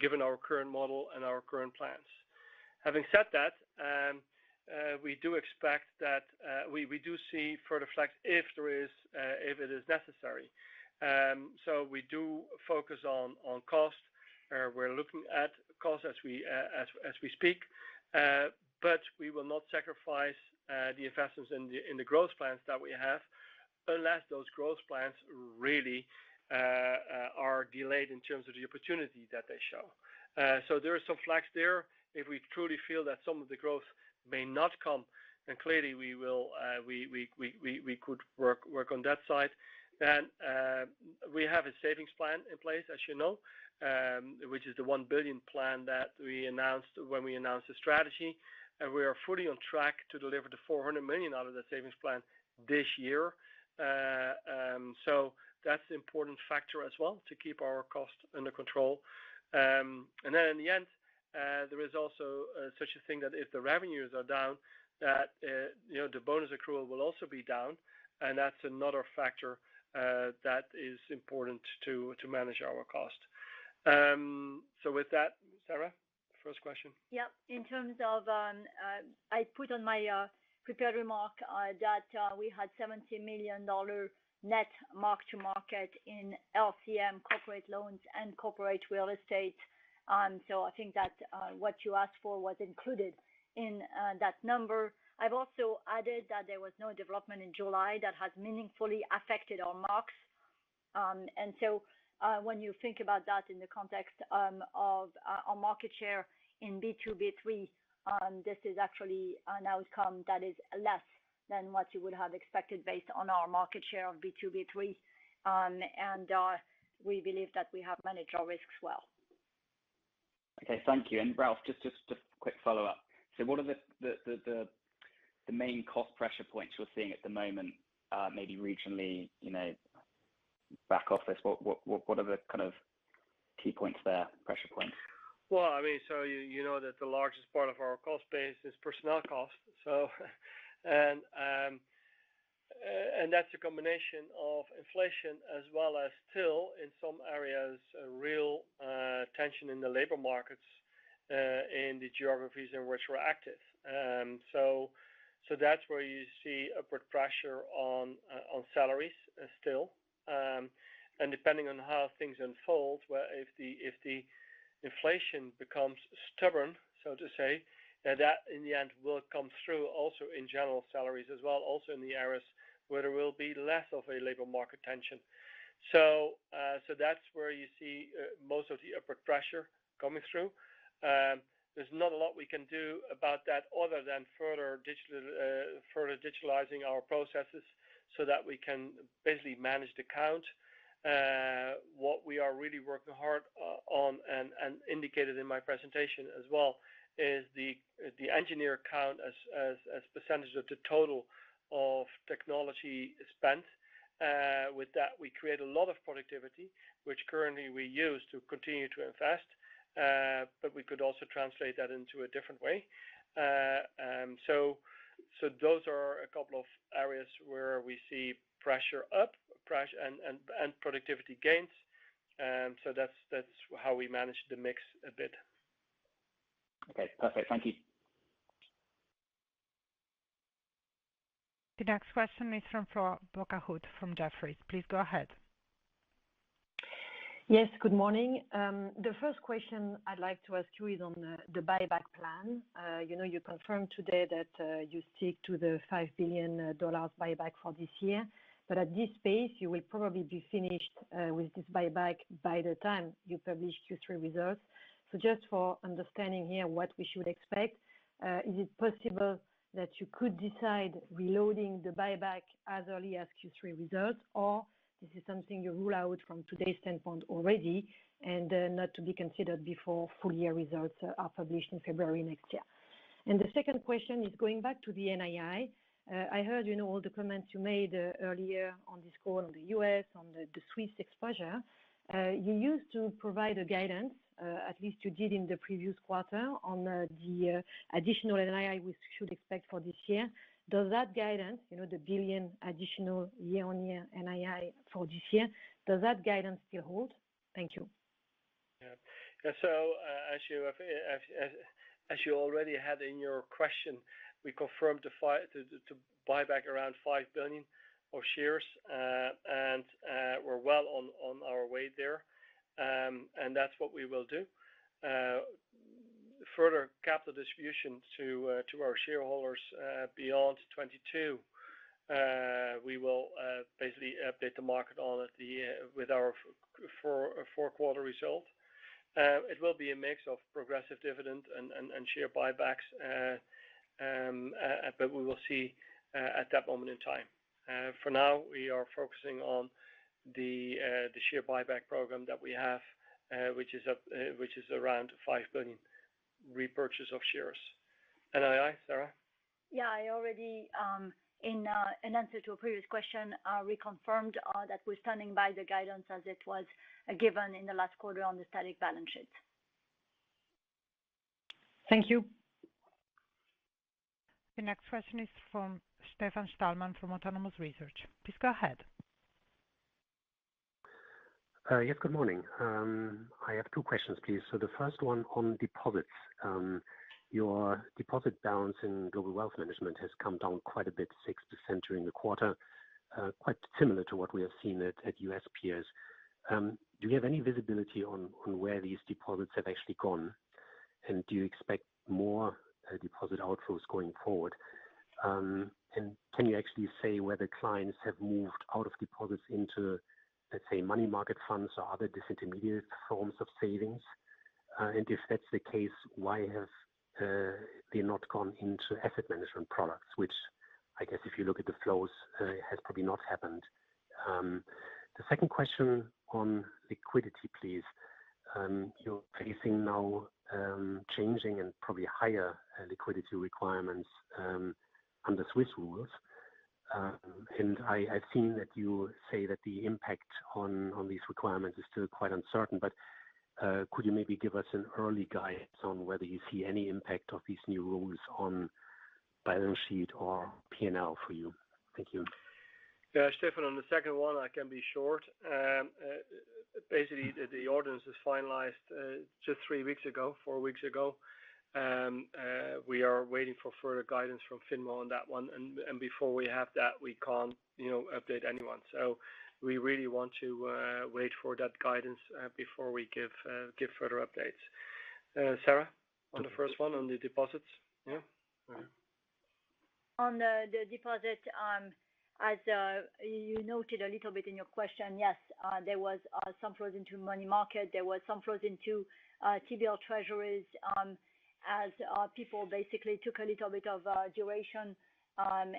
given our current model and our current plans. Having said that, we do expect that we do see further flex if there is, if it is necessary. We do focus on cost. We're looking at cost as we speak. We will not sacrifice the investments in the growth plans that we have unless those growth plans really are delayed in terms of the opportunity that they show. There is some flex there. If we truly feel that some of the growth may not come, then clearly we could work on that side. We have a savings plan in place, as you know, which is the $1 billion plan that we announced when we announced the strategy, and we are fully on track to deliver the $400 million out of the savings plan this year. That's an important factor as well to keep our costs under control. In the end, there is also such a thing that if the revenues are down, you know, the bonus accrual will also be down, and that's another factor that is important to manage our cost. With that, Sarah, first question. Yeah. In terms of, I put on my prepared remark that we had $70 million net mark-to-market in LCM corporate loans and corporate real estate. So I think that what you asked for was included in that number. I've also added that there was no development in July that has meaningfully affected our marks. When you think about that in the context of our market share in B2, B3, this is actually an outcome that is less than what you would have expected based on our market share of B2, B3. We believe that we have managed our risks well. Okay, thank you. Ralph, just quick follow-up. What are the main cost pressure points you're seeing at the moment, maybe regionally, you know, back office? What are the kind of key points there, pressure points? Well, I mean, you know that the largest part of our cost base is personnel costs. That's a combination of inflation as well as still in some areas a real tension in the labor markets in the geographies in which we're active. That's where you see upward pressure on salaries still. Depending on how things unfold, whether if the inflation becomes stubborn, so to say, then that in the end will come through also in general salaries as well, also in the areas where there will be less of a labor market tension. That's where you see most of the upward pressure coming through. There's not a lot we can do about that other than further digitalizing our processes so that we can basically manage the count. What we are really working hard on and indicated in my presentation as well is the engineer count as percentage of the total of technology spent. With that, we create a lot of productivity, which currently we use to continue to invest, but we could also translate that into a different way. So those are a couple of areas where we see pressure up and productivity gains. That's how we manage the mix a bit. Okay, perfect. Thank you. The next question is from Flora Bocahut from Jefferies. Please go ahead. Yes, good morning. The first question I'd like to ask you is on the buyback plan. You know, you confirmed today that you seek to the $5 billion buyback for this year, but at this pace, you will probably be finished with this buyback by the time you publish Q3 results. Just for understanding here what we should expect, is it possible that you could decide reloading the buyback as early as Q3 results, or this is something you rule out from today's standpoint already and not to be considered before full year results are published in February next year? The second question is going back to the NII. I heard, you know, all the comments you made earlier on this call on the U.S., on the Swiss exposure. You used to provide a guidance, at least you did in the previous quarter on the additional NII we should expect for this year. Does that guidance, you know, the $1 billion additional year-on-year NII for this year, does that guidance still hold? Thank you. As you already had in your question, we confirmed to buyback around $5 billion of shares, and we're well on our way there. That's what we will do. Further capital distributions to our shareholders beyond 2022, we will basically update the market on it with our fourth quarter results. It will be a mix of progressive dividend and share buybacks. But we will see at that moment in time. For now, we are focusing on the share buyback program that we have, which is around $5 billion repurchase of shares. NII, Sarah? Yeah. I already, in an answer to a previous question, reconfirmed that we're standing by the guidance as it was given in the last quarter on the static balance sheet. Thank you. The next question is from Stefan Stalmann from Autonomous Research. Please go ahead. Yes. Good morning. I have two questions, please. The first one on deposits. Your deposit balance in Global Wealth Management has come down quite a bit, 6% during the quarter, quite similar to what we have seen at U.S. peers. Do you have any visibility on where these deposits have actually gone? And do you expect more deposit outflows going forward? And can you actually say whether clients have moved out of deposits into, let's say, money market funds or other disintermediated forms of savings? And if that's the case, why have they not gone into asset management products, which I guess if you look at the flows has probably not happened. The second question on liquidity, please. You're facing now changing and probably higher liquidity requirements under Swiss rules. I've seen that you say that the impact on these requirements is still quite uncertain. Could you maybe give us an early guidance on whether you see any impact of these new rules on balance sheet or P&L for you? Thank you. Yeah, Stefan, on the second one, I can be short. Basically, the audience is finalized just three weeks ago, four weeks ago. We are waiting for further guidance from FINMA on that one. Before we have that, we can't, you know, update anyone. We really want to wait for that guidance before we give further updates. Sarah, on the first one on the deposits. Yeah. On the deposit, as you noted a little bit in your question, yes, there was some flows into money market. There was some flows into T-bill Treasuries, as people basically took a little bit of duration, and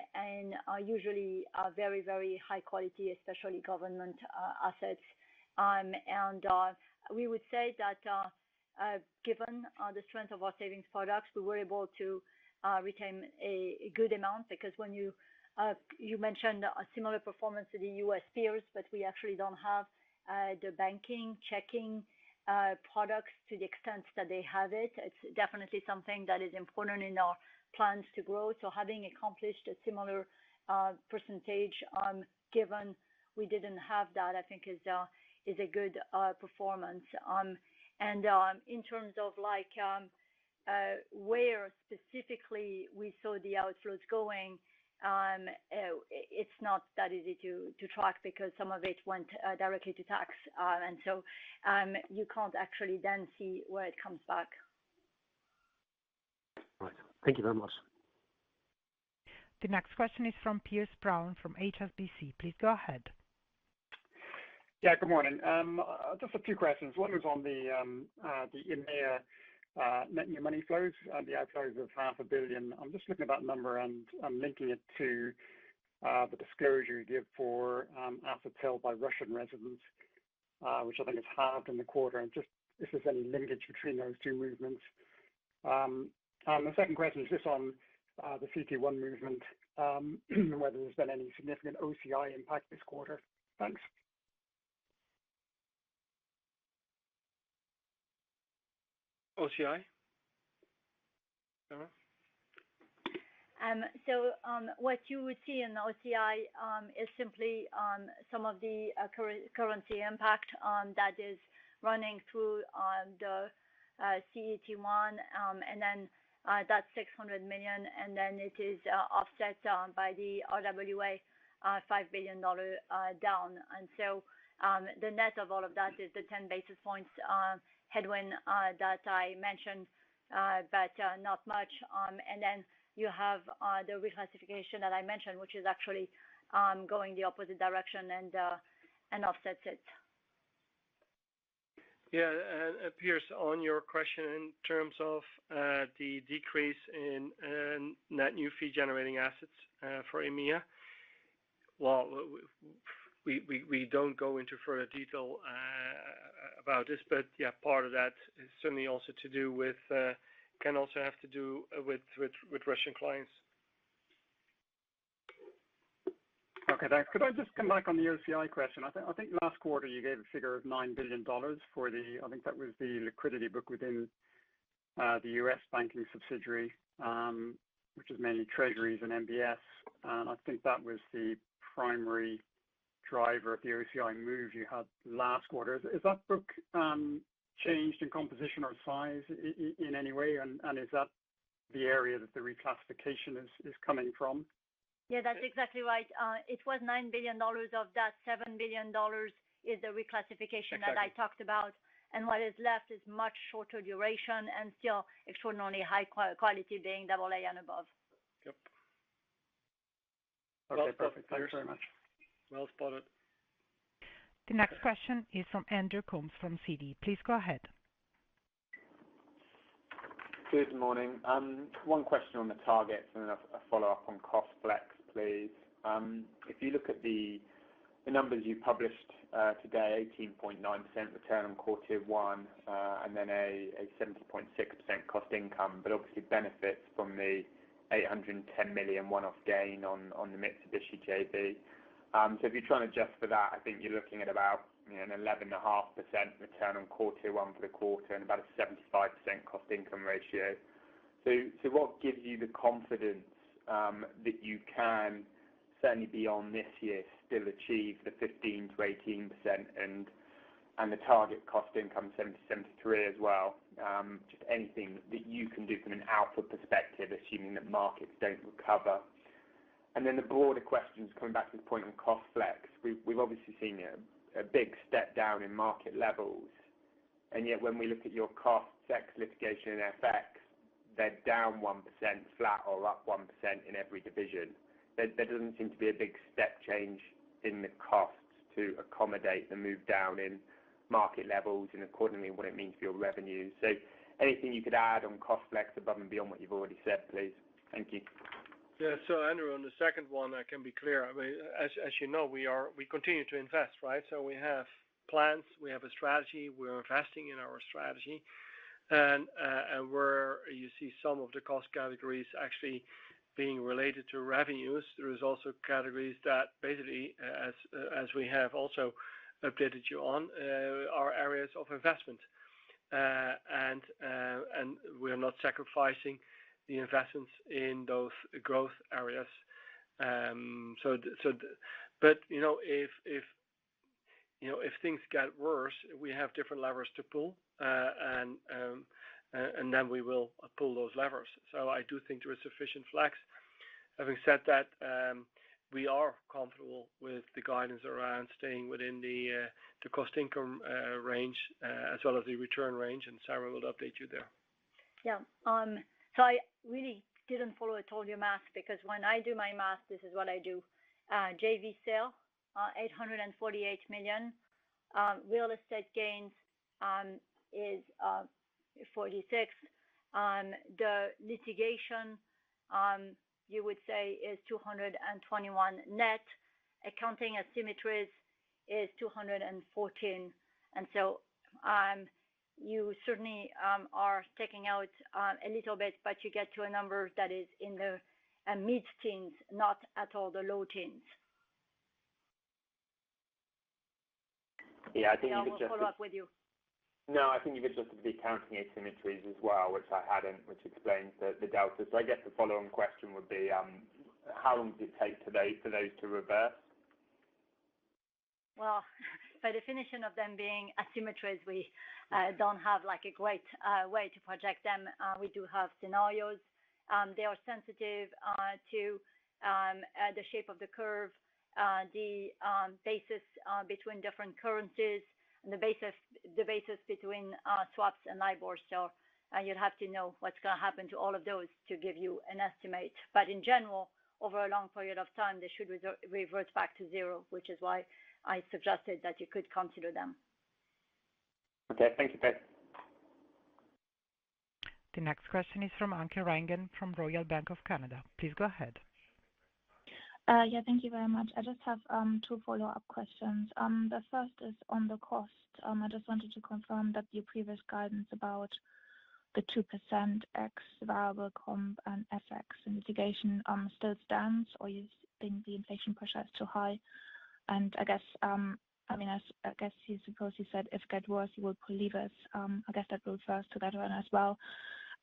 usually very high quality, especially government assets. We would say that given the strength of our savings products, we were able to retain a good amount because when you mentioned a similar performance to the U.S. peers, but we actually don't have the banking, checking products to the extent that they have it. It's definitely something that is important in our plans to grow. Having accomplished a similar percentage, given we didn't have that, I think is a good performance. In terms of like where specifically we saw the outflows going, it's not that easy to track because some of it went directly to tax. You can't actually then see where it comes back. Right. Thank you very much. The next question is from Piers Brown from HSBC. Please go ahead. Yeah, good morning. Just a few questions. One was on the EMEA net new money flows, the outflows of $500,000. I'm just looking at that number, and I'm linking it to the disclosure you give for assets held by Russian residents, which I think is halved in the quarter. Just if there's any linkage between those two movements. The second question is just on the CT1 movement, whether there's been any significant OCI impact this quarter. Thanks. OCI? Sarah? What you would see in OCI is simply some of the currency impact that is running through the CET1, and then that's $600 million, and then it is offset by the RWA, $5 billion down. The net of all of that is the 10 basis points headwind that I mentioned, but not much. You have the reclassification that I mentioned, which is actually going the opposite direction and offsets it. Yeah, Piers, on your question in terms of the decrease in net new fee-generating assets for EMEA. While we don't go into further detail about this, but yeah, part of that is certainly also to do with Russian clients. Okay, thanks. Could I just come back on the OCI question? I think last quarter you gave a figure of $9 billion for the liquidity book within the U.S. banking subsidiary, which is mainly treasuries and MBS. I think that was the primary driver of the OCI move you had last quarter. Is that book changed in composition or size in any way? Is that the area that the reclassification is coming from? Yeah, that's exactly right. It was $9 billion. Of that $7 billion is the reclassification that I talked about. What is left is much shorter duration and still extraordinarily high quality being AA and above. Yep. Okay, perfect. Thank you very much. Well spotted. The next question is from Andrew Coombs from Citi. Please go ahead. Good morning. One question on the targets and then a follow-up on cost flex, please. If you look at the numbers you published today, 18.9% return on quarter one, and then a 70.6% cost-income, but obviously benefits from the $810 million one-off gain on the Mitsubishi JV. If you try and adjust for that, I think you're looking at about, you know, an 11.5% return on quarter one for the quarter and about a 75% cost-income ratio. What gives you the confidence that you can, certainly beyond this year, still achieve the 15%-18% and the target cost-income 70%-73% as well? Just anything that you can do from an output perspective, assuming that markets don't recover. Then the broader questions coming back to the point on cost flex. We've obviously seen a big step down in market levels, and yet when we look at your cost flex litigation and FX, they're down 1%, flat or up 1% in every division. There doesn't seem to be a big step change in the costs to accommodate the move down in market levels and accordingly, what it means for your revenue. Anything you could add on cost flex above and beyond what you've already said, please. Thank you. Yeah. Andrew, on the second one, I can be clear. I mean, as you know, we continue to invest, right? We have plans, we have a strategy, we're investing in our strategy. You see some of the cost categories actually being related to revenues. There is also categories that basically as we have also updated you on are areas of investment. We are not sacrificing the investments in those growth areas. You know, if things get worse, we have different levers to pull, and then we will pull those levers. I do think there is sufficient flex. Having said that, we are comfortable with the guidance around staying within the cost-income range, as well as the return range, and Sarah will update you there. Yeah. So I really didn't follow at all your math because when I do my math, this is what I do. JV sale, $848 million. Real estate gains is $46 million. The litigation you would say is $221 million net. Accounting asymmetries is $214 million. You certainly are taking out a little bit, but you get to a number that is in the mid-teens, not at all the low teens. Yeah, I think you could just. I'll follow up with you. No, I think you could just be counting asymmetries as well, which I hadn't, which explains the delta. I guess the follow-on question would be, how long does it take today for those to reverse? Well, by definition of them being asymmetries, we don't have like a great way to project them. We do have scenarios. They are sensitive to the shape of the curve, the basis between different currencies and the basis between swaps and LIBOR. You'd have to know what's gonna happen to all of those to give you an estimate. In general, over a long period of time, they should revert back to zero, which is why I suggested that you could consider them. Okay. Thank you. Bye. The next question is from Anke Reingen from Royal Bank of Canada. Please go ahead. Yeah, thank you very much. I just have two follow-up questions. The first is on the cost. I just wanted to confirm that your previous guidance about the 2% ex variable comp and FX and litigation still stands, or you think the inflation pressure is too high? I guess, I mean, I guess you suppose you said if it get worse, you will leave us, I guess that refers to that one as well.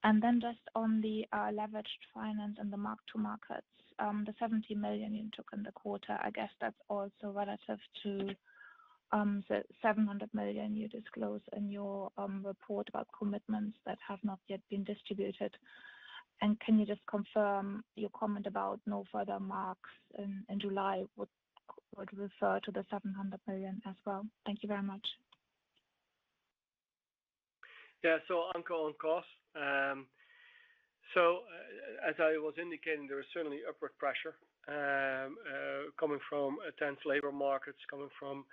Then just on the leveraged finance and the mark to markets, the $70 million you took in the quarter, I guess that's also relative to the $700 million you disclose in your report about commitments that have not yet been distributed. Can you just confirm your comment about no further marks in July would refer to the $700 million as well? Thank you very much. Yeah. On costs. As I was indicating, there is certainly upward pressure coming from intense labor markets, from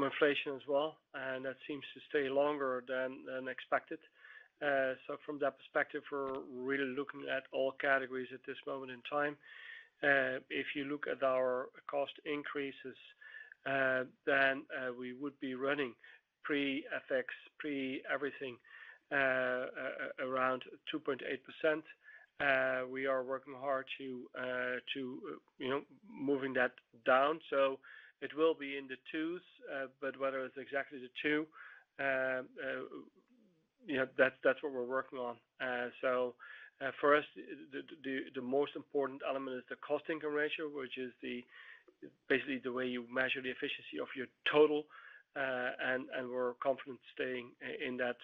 inflation as well, and that seems to stay longer than expected. From that perspective, we're really looking at all categories at this moment in time. If you look at our cost increases, then we would be running pre-FX, pre everything, around 2.8%. We are working hard to you know moving that down. It will be in the twos, but whether it's exactly the two, you know that's what we're working on. For us, the most important element is the cost-income ratio, which is basically the way you measure the efficiency of your total. We're confident staying in that.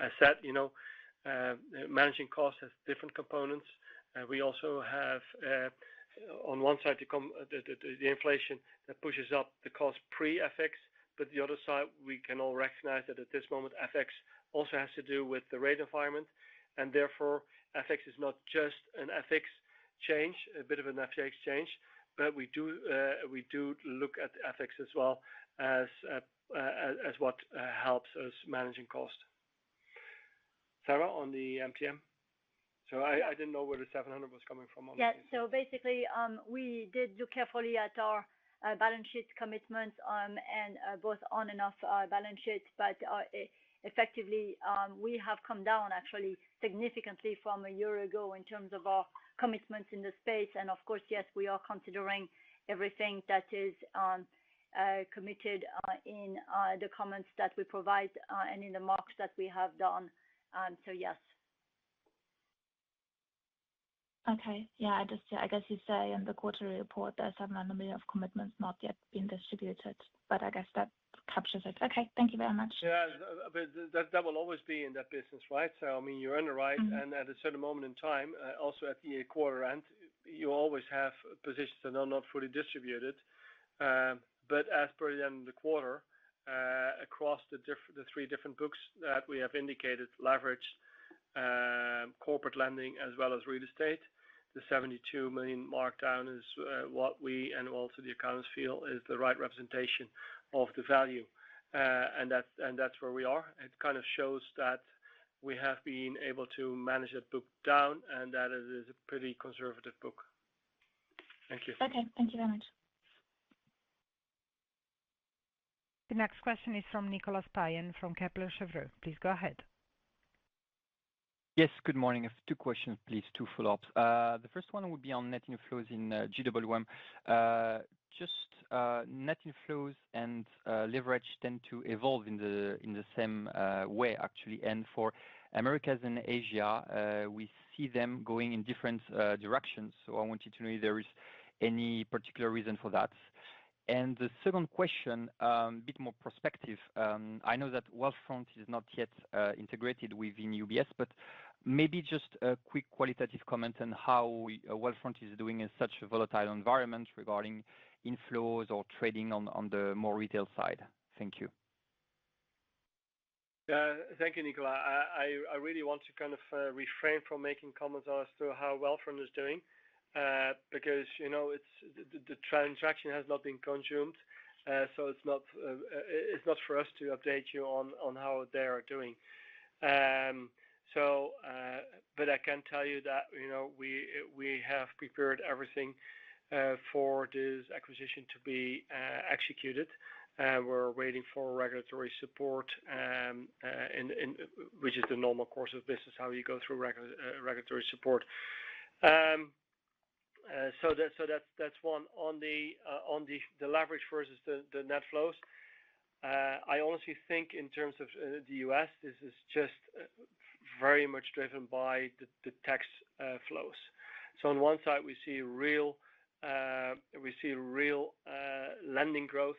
As said, you know, managing costs has different components. We also have, on one side the inflation that pushes up the cost pre-FX, but the other side, we can all recognize that at this moment, FX also has to do with the rate environment, and therefore, FX is not just an FX change, a bit of an FX change, but we do look at FX as well as what helps us managing cost. Sarah, on the MTM? So I didn't know where the 700 was coming from. Yeah. Basically, we did look carefully at our balance sheet commitments, and both on and off our balance sheets. Effectively, we have come down actually significantly from a year ago in terms of our commitments in the space. Of course, yes, we are considering everything that is committed in the comments that we provide, and in the marks that we have done. Yes. Okay. Yeah. I just, I guess you say in the quarterly report there's $700 million of commitments not yet being distributed, but I guess that captures it. Okay. Thank you very much. Yeah. That will always be in that business, right? So, I mean, you're in the right, and at a certain moment in time, also at the quarter end, you always have positions that are not fully distributed. As per the end of the quarter, across the three different books that we have indicated, leverage, corporate lending as well as real estate, the $72 million markdown is what we and also the accounts feel is the right representation of the value. And that's where we are. It kind of shows that we have been able to manage that book down and that it is a pretty conservative book. Thank you. Okay. Thank you very much. The next question is from Nicolas Payen from Kepler Cheuvreux. Please go ahead. Yes, good morning. I have two questions, please. Two follow-ups. The first one would be on net inflows in GWM. Just net inflows and leverage tend to evolve in the same way, actually. For Americas and Asia, we see them going in different directions. I wanted to know if there is any particular reason for that. The second question, a bit more prospective. I know that Wealthfront is not yet integrated within UBS, but maybe just a quick qualitative comment on how Wealthfront is doing in such a volatile environment regarding inflows or trading on the more retail side. Thank you. Yeah. Thank you, Nicolas. I really want to kind of refrain from making comments as to how Wealthfront is doing, because, you know, it's the transaction has not been consummated. So it's not for us to update you on how they are doing. So but I can tell you that, you know, we have prepared everything for this acquisition to be executed. We're waiting for regulatory support, and which is the normal course of business, how you go through regulatory support. So that's one. On the leverage versus the net flows. I honestly think in terms of the U.S., this is just very much driven by the tax flows. On one side, we see real lending growth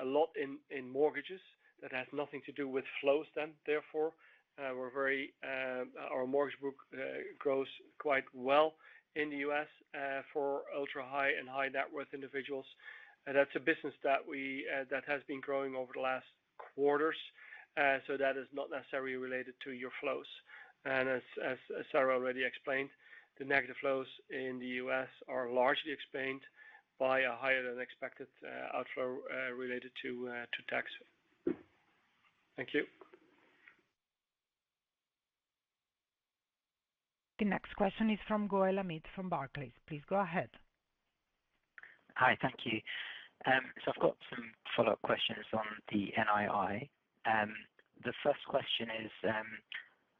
a lot in mortgages that has nothing to do with flows, therefore. Our mortgage book grows quite well in the U.S. for ultra-high and high net worth individuals. That's a business that has been growing over the last quarters. That is not necessarily related to your flows. As Sarah already explained, the negative flows in the U.S. are largely explained by a higher than expected outflow related to tax. Thank you. The next question is from Goel Amit from Barclays. Please go ahead. Hi. Thank you. I've got some follow-up questions on the NII. The first question is,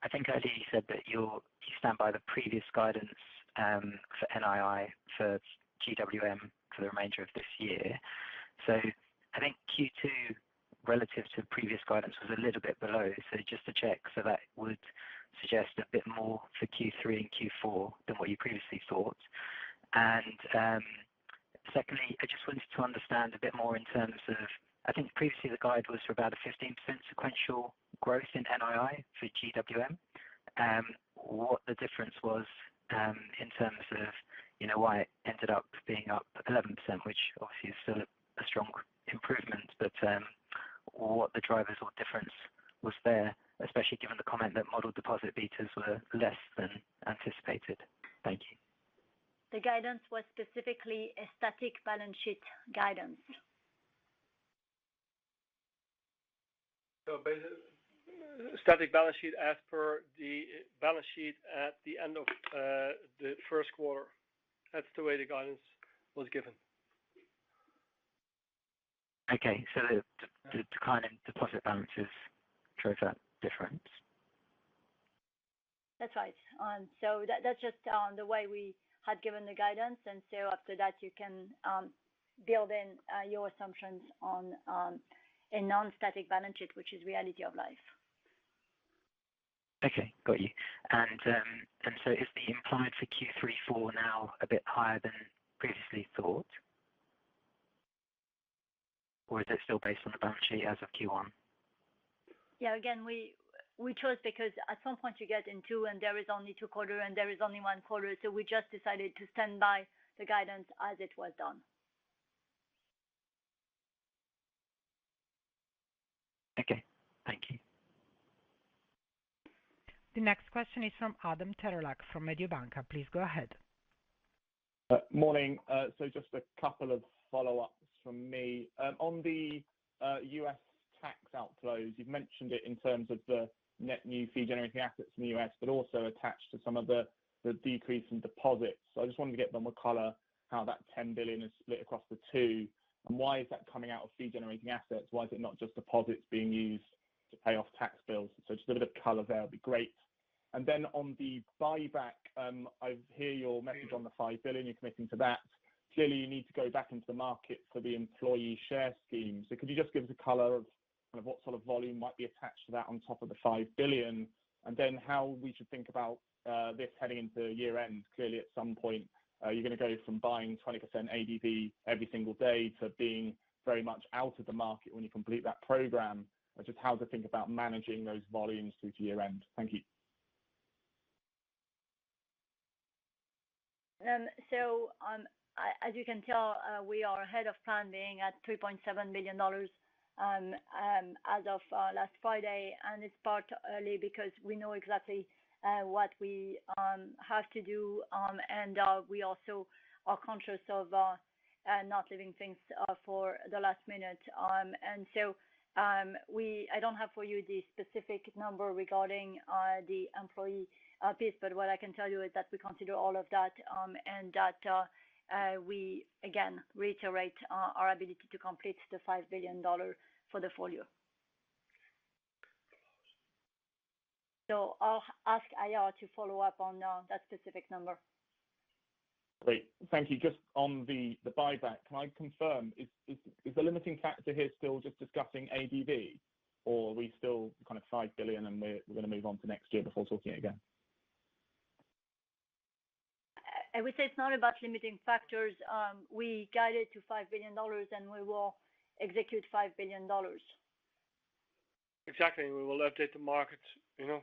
I think earlier you said that you stand by the previous guidance for NII, for GWM for the remainder of this year. I think Q2 relative to previous guidance was a little bit below. Just to check, that would suggest a bit more for Q3 and Q4 than what you previously thought. Secondly, I just wanted to understand a bit more in terms of, I think previously the guide was for about a 15% sequential growth in NII for GWM. What the difference was in terms of, you know, why it ended up being up 11%, which obviously is still a strong improvement, but what the drivers or difference was there, especially given the comment that model deposit betas were less than anticipated. Thank you. The guidance was specifically a static balance sheet guidance. Static balance sheet as per the balance sheet at the end of the first quarter. That's the way the guidance was given. Okay. The decline in deposit balances drove that difference. That's right. That's just the way we had given the guidance. After that you can build in your assumptions on a non-static balance sheet, which is reality of life. Okay. Got you. Is the implied for Q3 for now a bit higher than previously thought? Or is it still based on the balance sheet as of Q1? Yeah, again, we chose because at some point you get in two, and there is only two quarter, and there is only one quarter. We just decided to stand by the guidance as it was done. Okay. Thank you. The next question is from Adam Terelak from Mediobanca. Please go ahead. Morning. Just a couple of follow-ups from me. On the U.S. tax outflows, you've mentioned it in terms of the net new fee-generating assets in the U.S., but also attached to some of the decrease in deposits. I just wanted to get a bit more color how that $10 billion is split across the two, and why is that coming out of fee-generating assets? Why is it not just deposits being used to pay off tax bills? Just a bit of color there would be great. Then on the buyback, I hear your message on the $5 billion, you're committing to that. Clearly you need to go back into the market for the employee share scheme. Could you just give us a color of, kind of what sort of volume might be attached to that on top of the $5 billion, and then how we should think about this heading into year end. Clearly, at some point, you're going to go from buying 20% AB every single day to being very much out of the market when you complete that program. Just how to think about managing those volumes through to year end. Thank you. As you can tell, we are ahead of plan being at $3.7 billion as of last Friday. It's partly early because we know exactly what we have to do. We also are conscious of not leaving things for the last minute. I don't have for you the specific number regarding the employee piece, but what I can tell you is that we consider all of that and that we again reiterate our ability to complete the $5 billion for the full year. I'll ask IR to follow up on that specific number. Great. Thank you. Just on the buyback, can I confirm is the limiting factor here still just discussing ADTV or are we still kind of $5 billion and we're going to move on to next year before talking again? I would say it's not about limiting factors. We guided to $5 billion and we will execute $5 billion. Exactly. We will update the market, you know,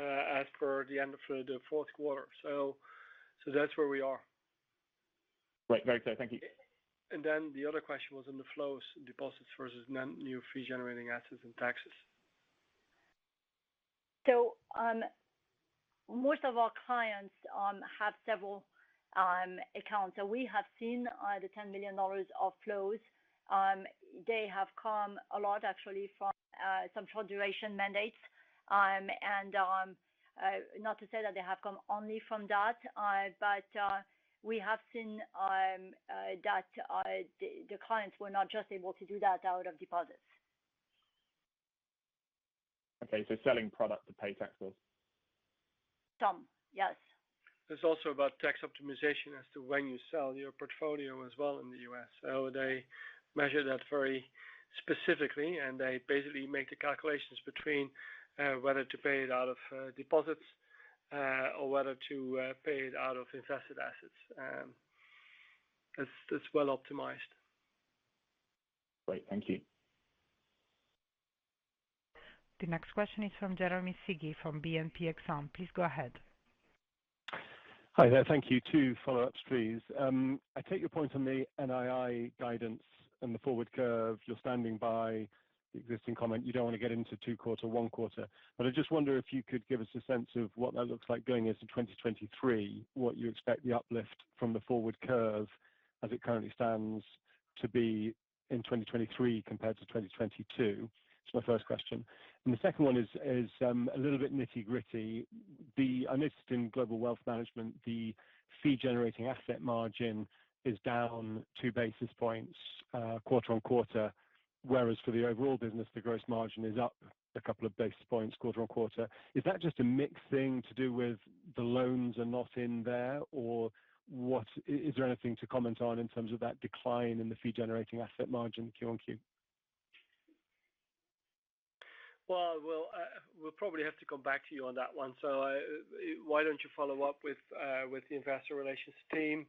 as per the end of the fourth quarter. That's where we are. Right. Very clear. Thank you. The other question was on the flows, deposits versus net new fee-generating assets and taxes. Most of our clients have several accounts. We have seen the $10 million of flows. They have come a lot actually from some fund duration mandates. Not to say that they have come only from that, but we have seen that the clients were not just able to do that out of deposits. Okay. Selling product to pay taxes. Some, yes. It's also about tax optimization as to when you sell your portfolio as well in the US. They measure that very specifically, and they basically make the calculations between whether to pay it out of deposits or whether to pay it out of invested assets. That's well optimized. Great. Thank you. The next question is from Jeremy Sigee from BNP Exane. Please go ahead. Hi there. Thank you. Two follow-ups please. I take your point on the NII guidance and the forward curve. You're standing by the existing comment. You don't want to get into two quarter, one quarter. I just wonder if you could give us a sense of what that looks like going into 2023, what you expect the uplift from the forward curve as it currently stands to be in 2023 compared to 2022. That's my first question. The second one is a little bit nitty-gritty. I noticed in Global Wealth Management, the fee-generating asset margin is down 2 basis points quarter-over-quarter. Whereas for the overall business, the gross margin is up a couple of basis points quarter on quarter. Is that just a mix thing to do with the loans are not in there or what? Is there anything to comment on in terms of that decline in the fee generating asset margin Q-on-Q? We'll probably have to come back to you on that one. Why don't you follow up with the investor relations team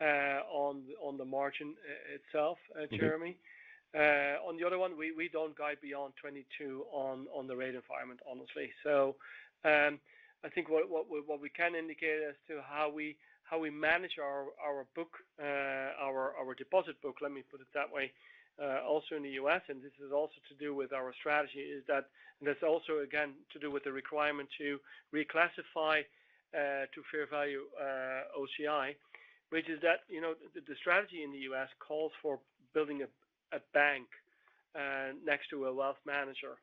on the margin itself, Jeremy. On the other one, we don't guide beyond 2022 on the rate environment, honestly. I think what we can indicate as to how we manage our book, our deposit book, let me put it that way, also in the U.S. This is also to do with our strategy, is that this also again to do with the requirement to reclassify to fair value OCI, which is that, you know, the strategy in the U.S. calls for building a bank next to a wealth manager.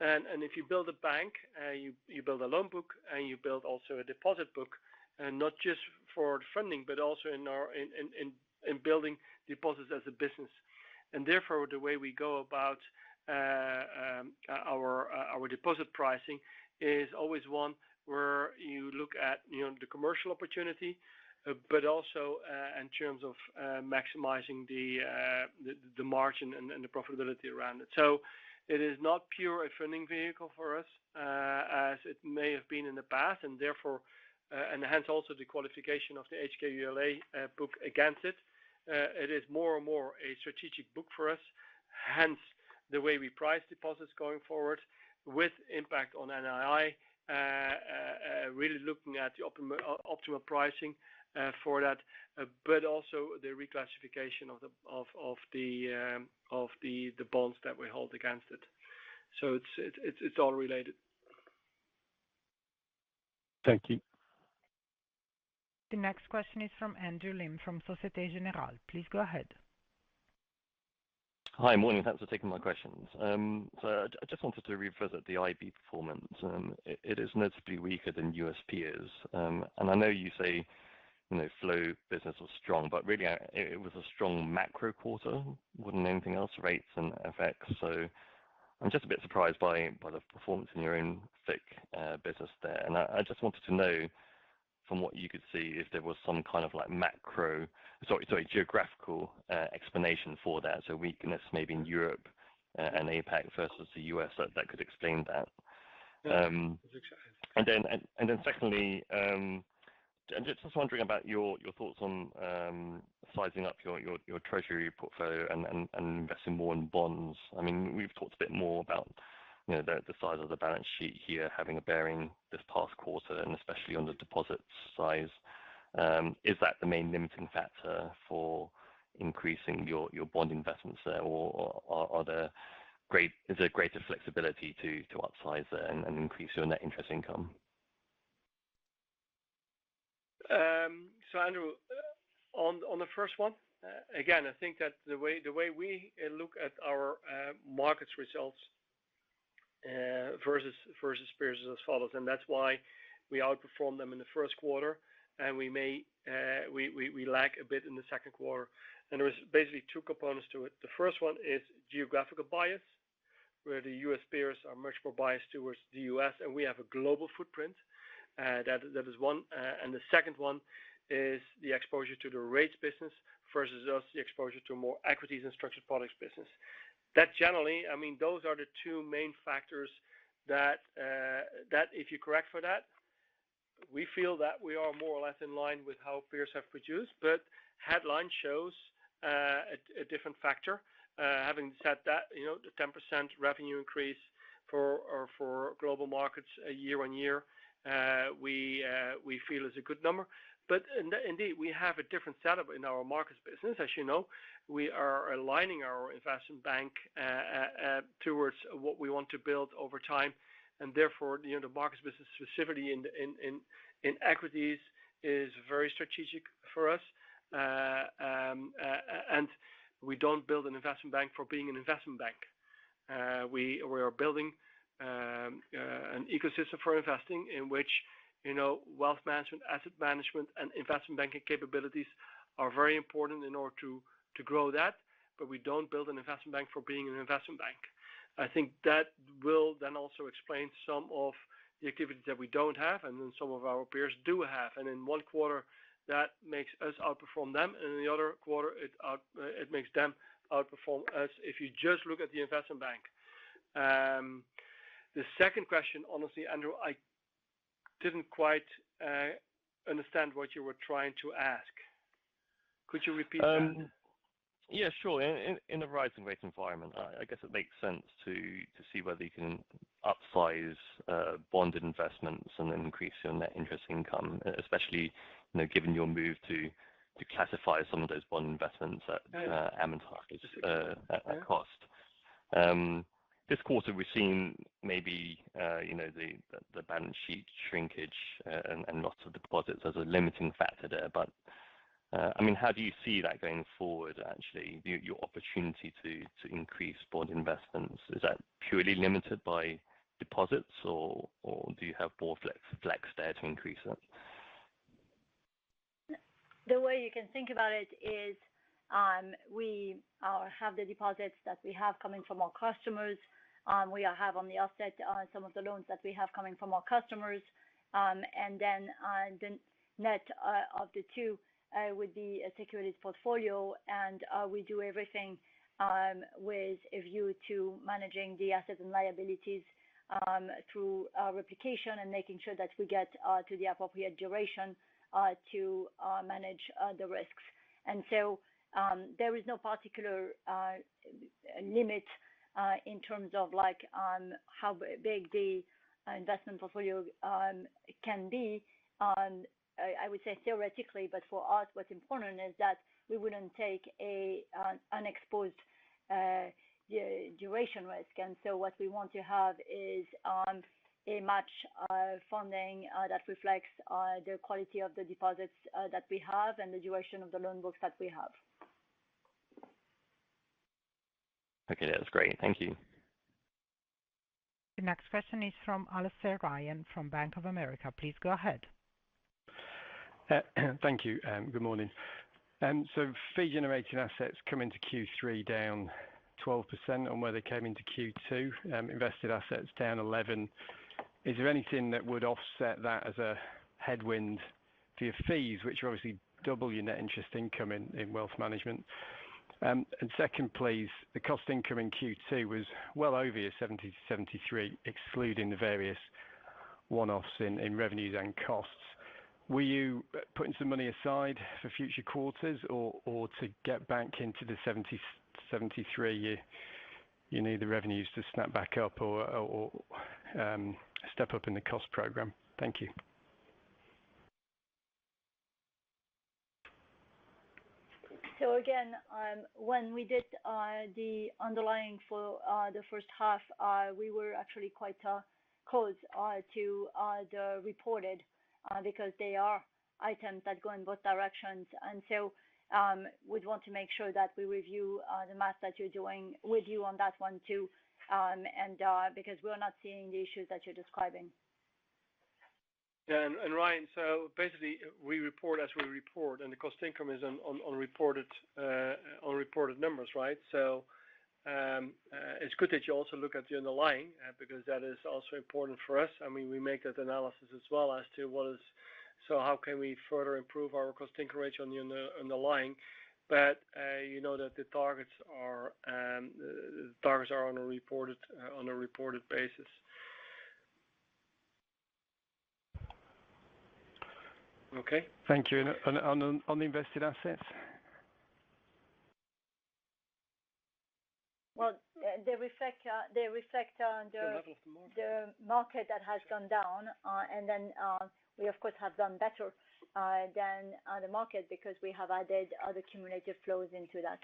If you build a bank, you build a loan book, and you build also a deposit book, not just for funding, but also in our building deposits as a business. Therefore, the way we go about our deposit pricing is always one where you look at, you know, the commercial opportunity, but also in terms of maximizing the margin and the profitability around it. It is not pure a funding vehicle for us, as it may have been in the past, and therefore and hence also the qualification of the HQLA book against it. It is more and more a strategic book for us, hence the way we price deposits going forward with impact on NII, really looking at the optimal pricing for that, but also the reclassification of the bonds that we hold against it. It's all related. Thank you. The next question is from Andrew Lim from Société Générale. Please go ahead. Hi. Morning. Thanks for taking my questions. Just wanted to revisit the IB performance. It is noticeably weaker than UBS is. I know you say, you know, flow business was strong, but really it was a strong macro quarter, more than anything else, rates and FX. I'm just a bit surprised by the performance in your own FICC business there. I just wanted to know from what you could see if there was some kind of like geographical explanation for that. Weakness maybe in Europe and APAC versus the U.S. that could explain that. Secondly, just wondering about your thoughts on sizing up your treasury portfolio and investing more in bonds. I mean, we've talked a bit more about, you know, the size of the balance sheet here having a bearing this past quarter and especially on the deposit size. Is that the main limiting factor for increasing your bond investments there, or is there greater flexibility to upsize and increase your net interest income? Andrew, on the first one, again, I think that the way we look at our markets results versus peers is as follows, and that's why we outperform them in the first quarter. We may lack a bit in the second quarter. There's basically two components to it. The first one is geographical bias, where the U.S. peers are much more biased towards the U.S., and we have a global footprint. That is one. The second one is the exposure to the rates business versus our, the exposure to more equities and structured products business. That generally I mean, those are the two main factors that if you correct for that, we feel that we are more or less in line with how peers have produced. Headline shows a different factor. Having said that, you know, the 10% revenue increase for Global Markets year-on-year we feel is a good number. Indeed, we have a different setup in our Markets business. As you know, we are aligning our Investment Bank towards what we want to build over time, and therefore, you know, the Markets business specifically in equities is very strategic for us. And we don't build an Investment Bank for being an Investment Bank. We are building an ecosystem for investing in which, you know, Wealth Management, Asset Management, and Investment Banking capabilities are very important in order to grow that. We don't build an Investment Bank for being an Investment Bank. I think that will then also explain some of the activities that we don't have and then some of our peers do have. In one quarter, that makes us outperform them, and in the other quarter it makes them outperform us if you just look at the Investment Bank. The second question, honestly, Andrew, I didn't quite understand what you were trying to ask. Could you repeat that? Yeah, sure. In a rising rate environment, I guess it makes sense to see whether you can upsize bond investments and increase your net interest income, especially, you know, given your move to classify some of those bond investments at amortized cost. This quarter we've seen maybe, you know, the balance sheet shrinkage, and loss of deposits as a limiting factor there. I mean, how do you see that going forward, actually, your opportunity to increase bond investments? Is that purely limited by deposits or do you have more flex there to increase it? The way you can think about it is, we have the deposits that we have coming from our customers, we have on the offset some of the loans that we have coming from our customers. Then, the net of the two would be a securities portfolio. We do everything with a view to managing the assets and liabilities through replication and making sure that we get to the appropriate duration to manage the risks. There is no particular limit in terms of like how big the investment portfolio can be. I would say theoretically, but for us, what's important is that we wouldn't take an exposed yield-duration risk. What we want to have is a matched funding that reflects the quality of the deposits that we have and the duration of the loan books that we have. Okay. That's great. Thank you. The next question is from Alastair Ryan from Bank of America. Please go ahead. Thank you, and good morning. Fee-generating assets come into Q3, down 12% on where they came into Q2, invested assets down 11%. Is there anything that would offset that as a headwind for your fees, which are obviously double your net interest income in wealth management? Second, please, the cost-income ratio in Q2 was well over your 70%-73%, excluding the various one-offs in revenues and costs. Were you putting some money aside for future quarters or to get back into the 70%-73% you need the revenues to snap back up or step up in the cost program? Thank you. Again, when we did the underlying for the first half, we were actually quite close to the reported, because they are items that go in both directions. We'd want to make sure that we review the math that you're doing with you on that one too, and because we're not seeing the issues that you're describing. Ryan, basically we report as we report, and the cost-income is on reported numbers, right? It's good that you also look at the underlying because that is also important for us. I mean, we make that analysis as well as to so how can we further improve our cost-income ratio on the underlying. You know that the targets are on a reported basis. Okay. Thank you. On the invested assets? Well, they reflect the market that has gone down. We of course have done better than the market because we have added other cumulative flows into that.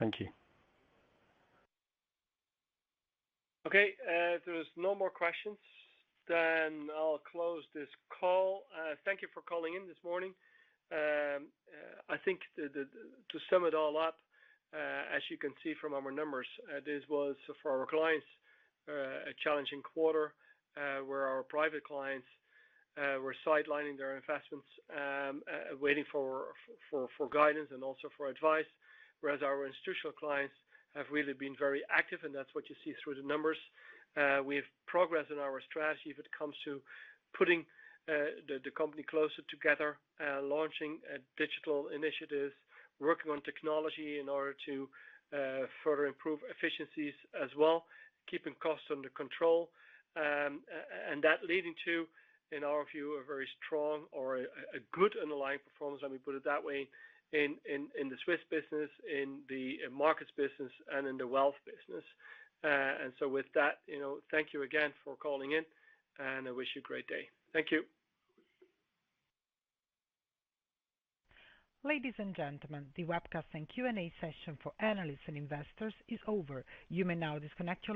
Thank you. Okay. If there's no more questions, then I'll close this call. Thank you for calling in this morning. I think to sum it all up, as you can see from our numbers, this was for our clients a challenging quarter, where our private clients were sidelining their investments, waiting for guidance and also for advice. Whereas our institutional clients have really been very active, and that's what you see through the numbers. We have progress in our strategy if it comes to putting the company closer together, launching digital initiatives, working on technology in order to further improve efficiencies as well, keeping costs under control. That leading to, in our view, a very strong or a good underlying performance, let me put it that way, in the Swiss business, in the markets business, and in the wealth business. With that, you know, thank you again for calling in, and I wish you a great day. Thank you. Ladies and gentlemen, the webcast and Q&A session for analysts and investors is over. You may now disconnect your-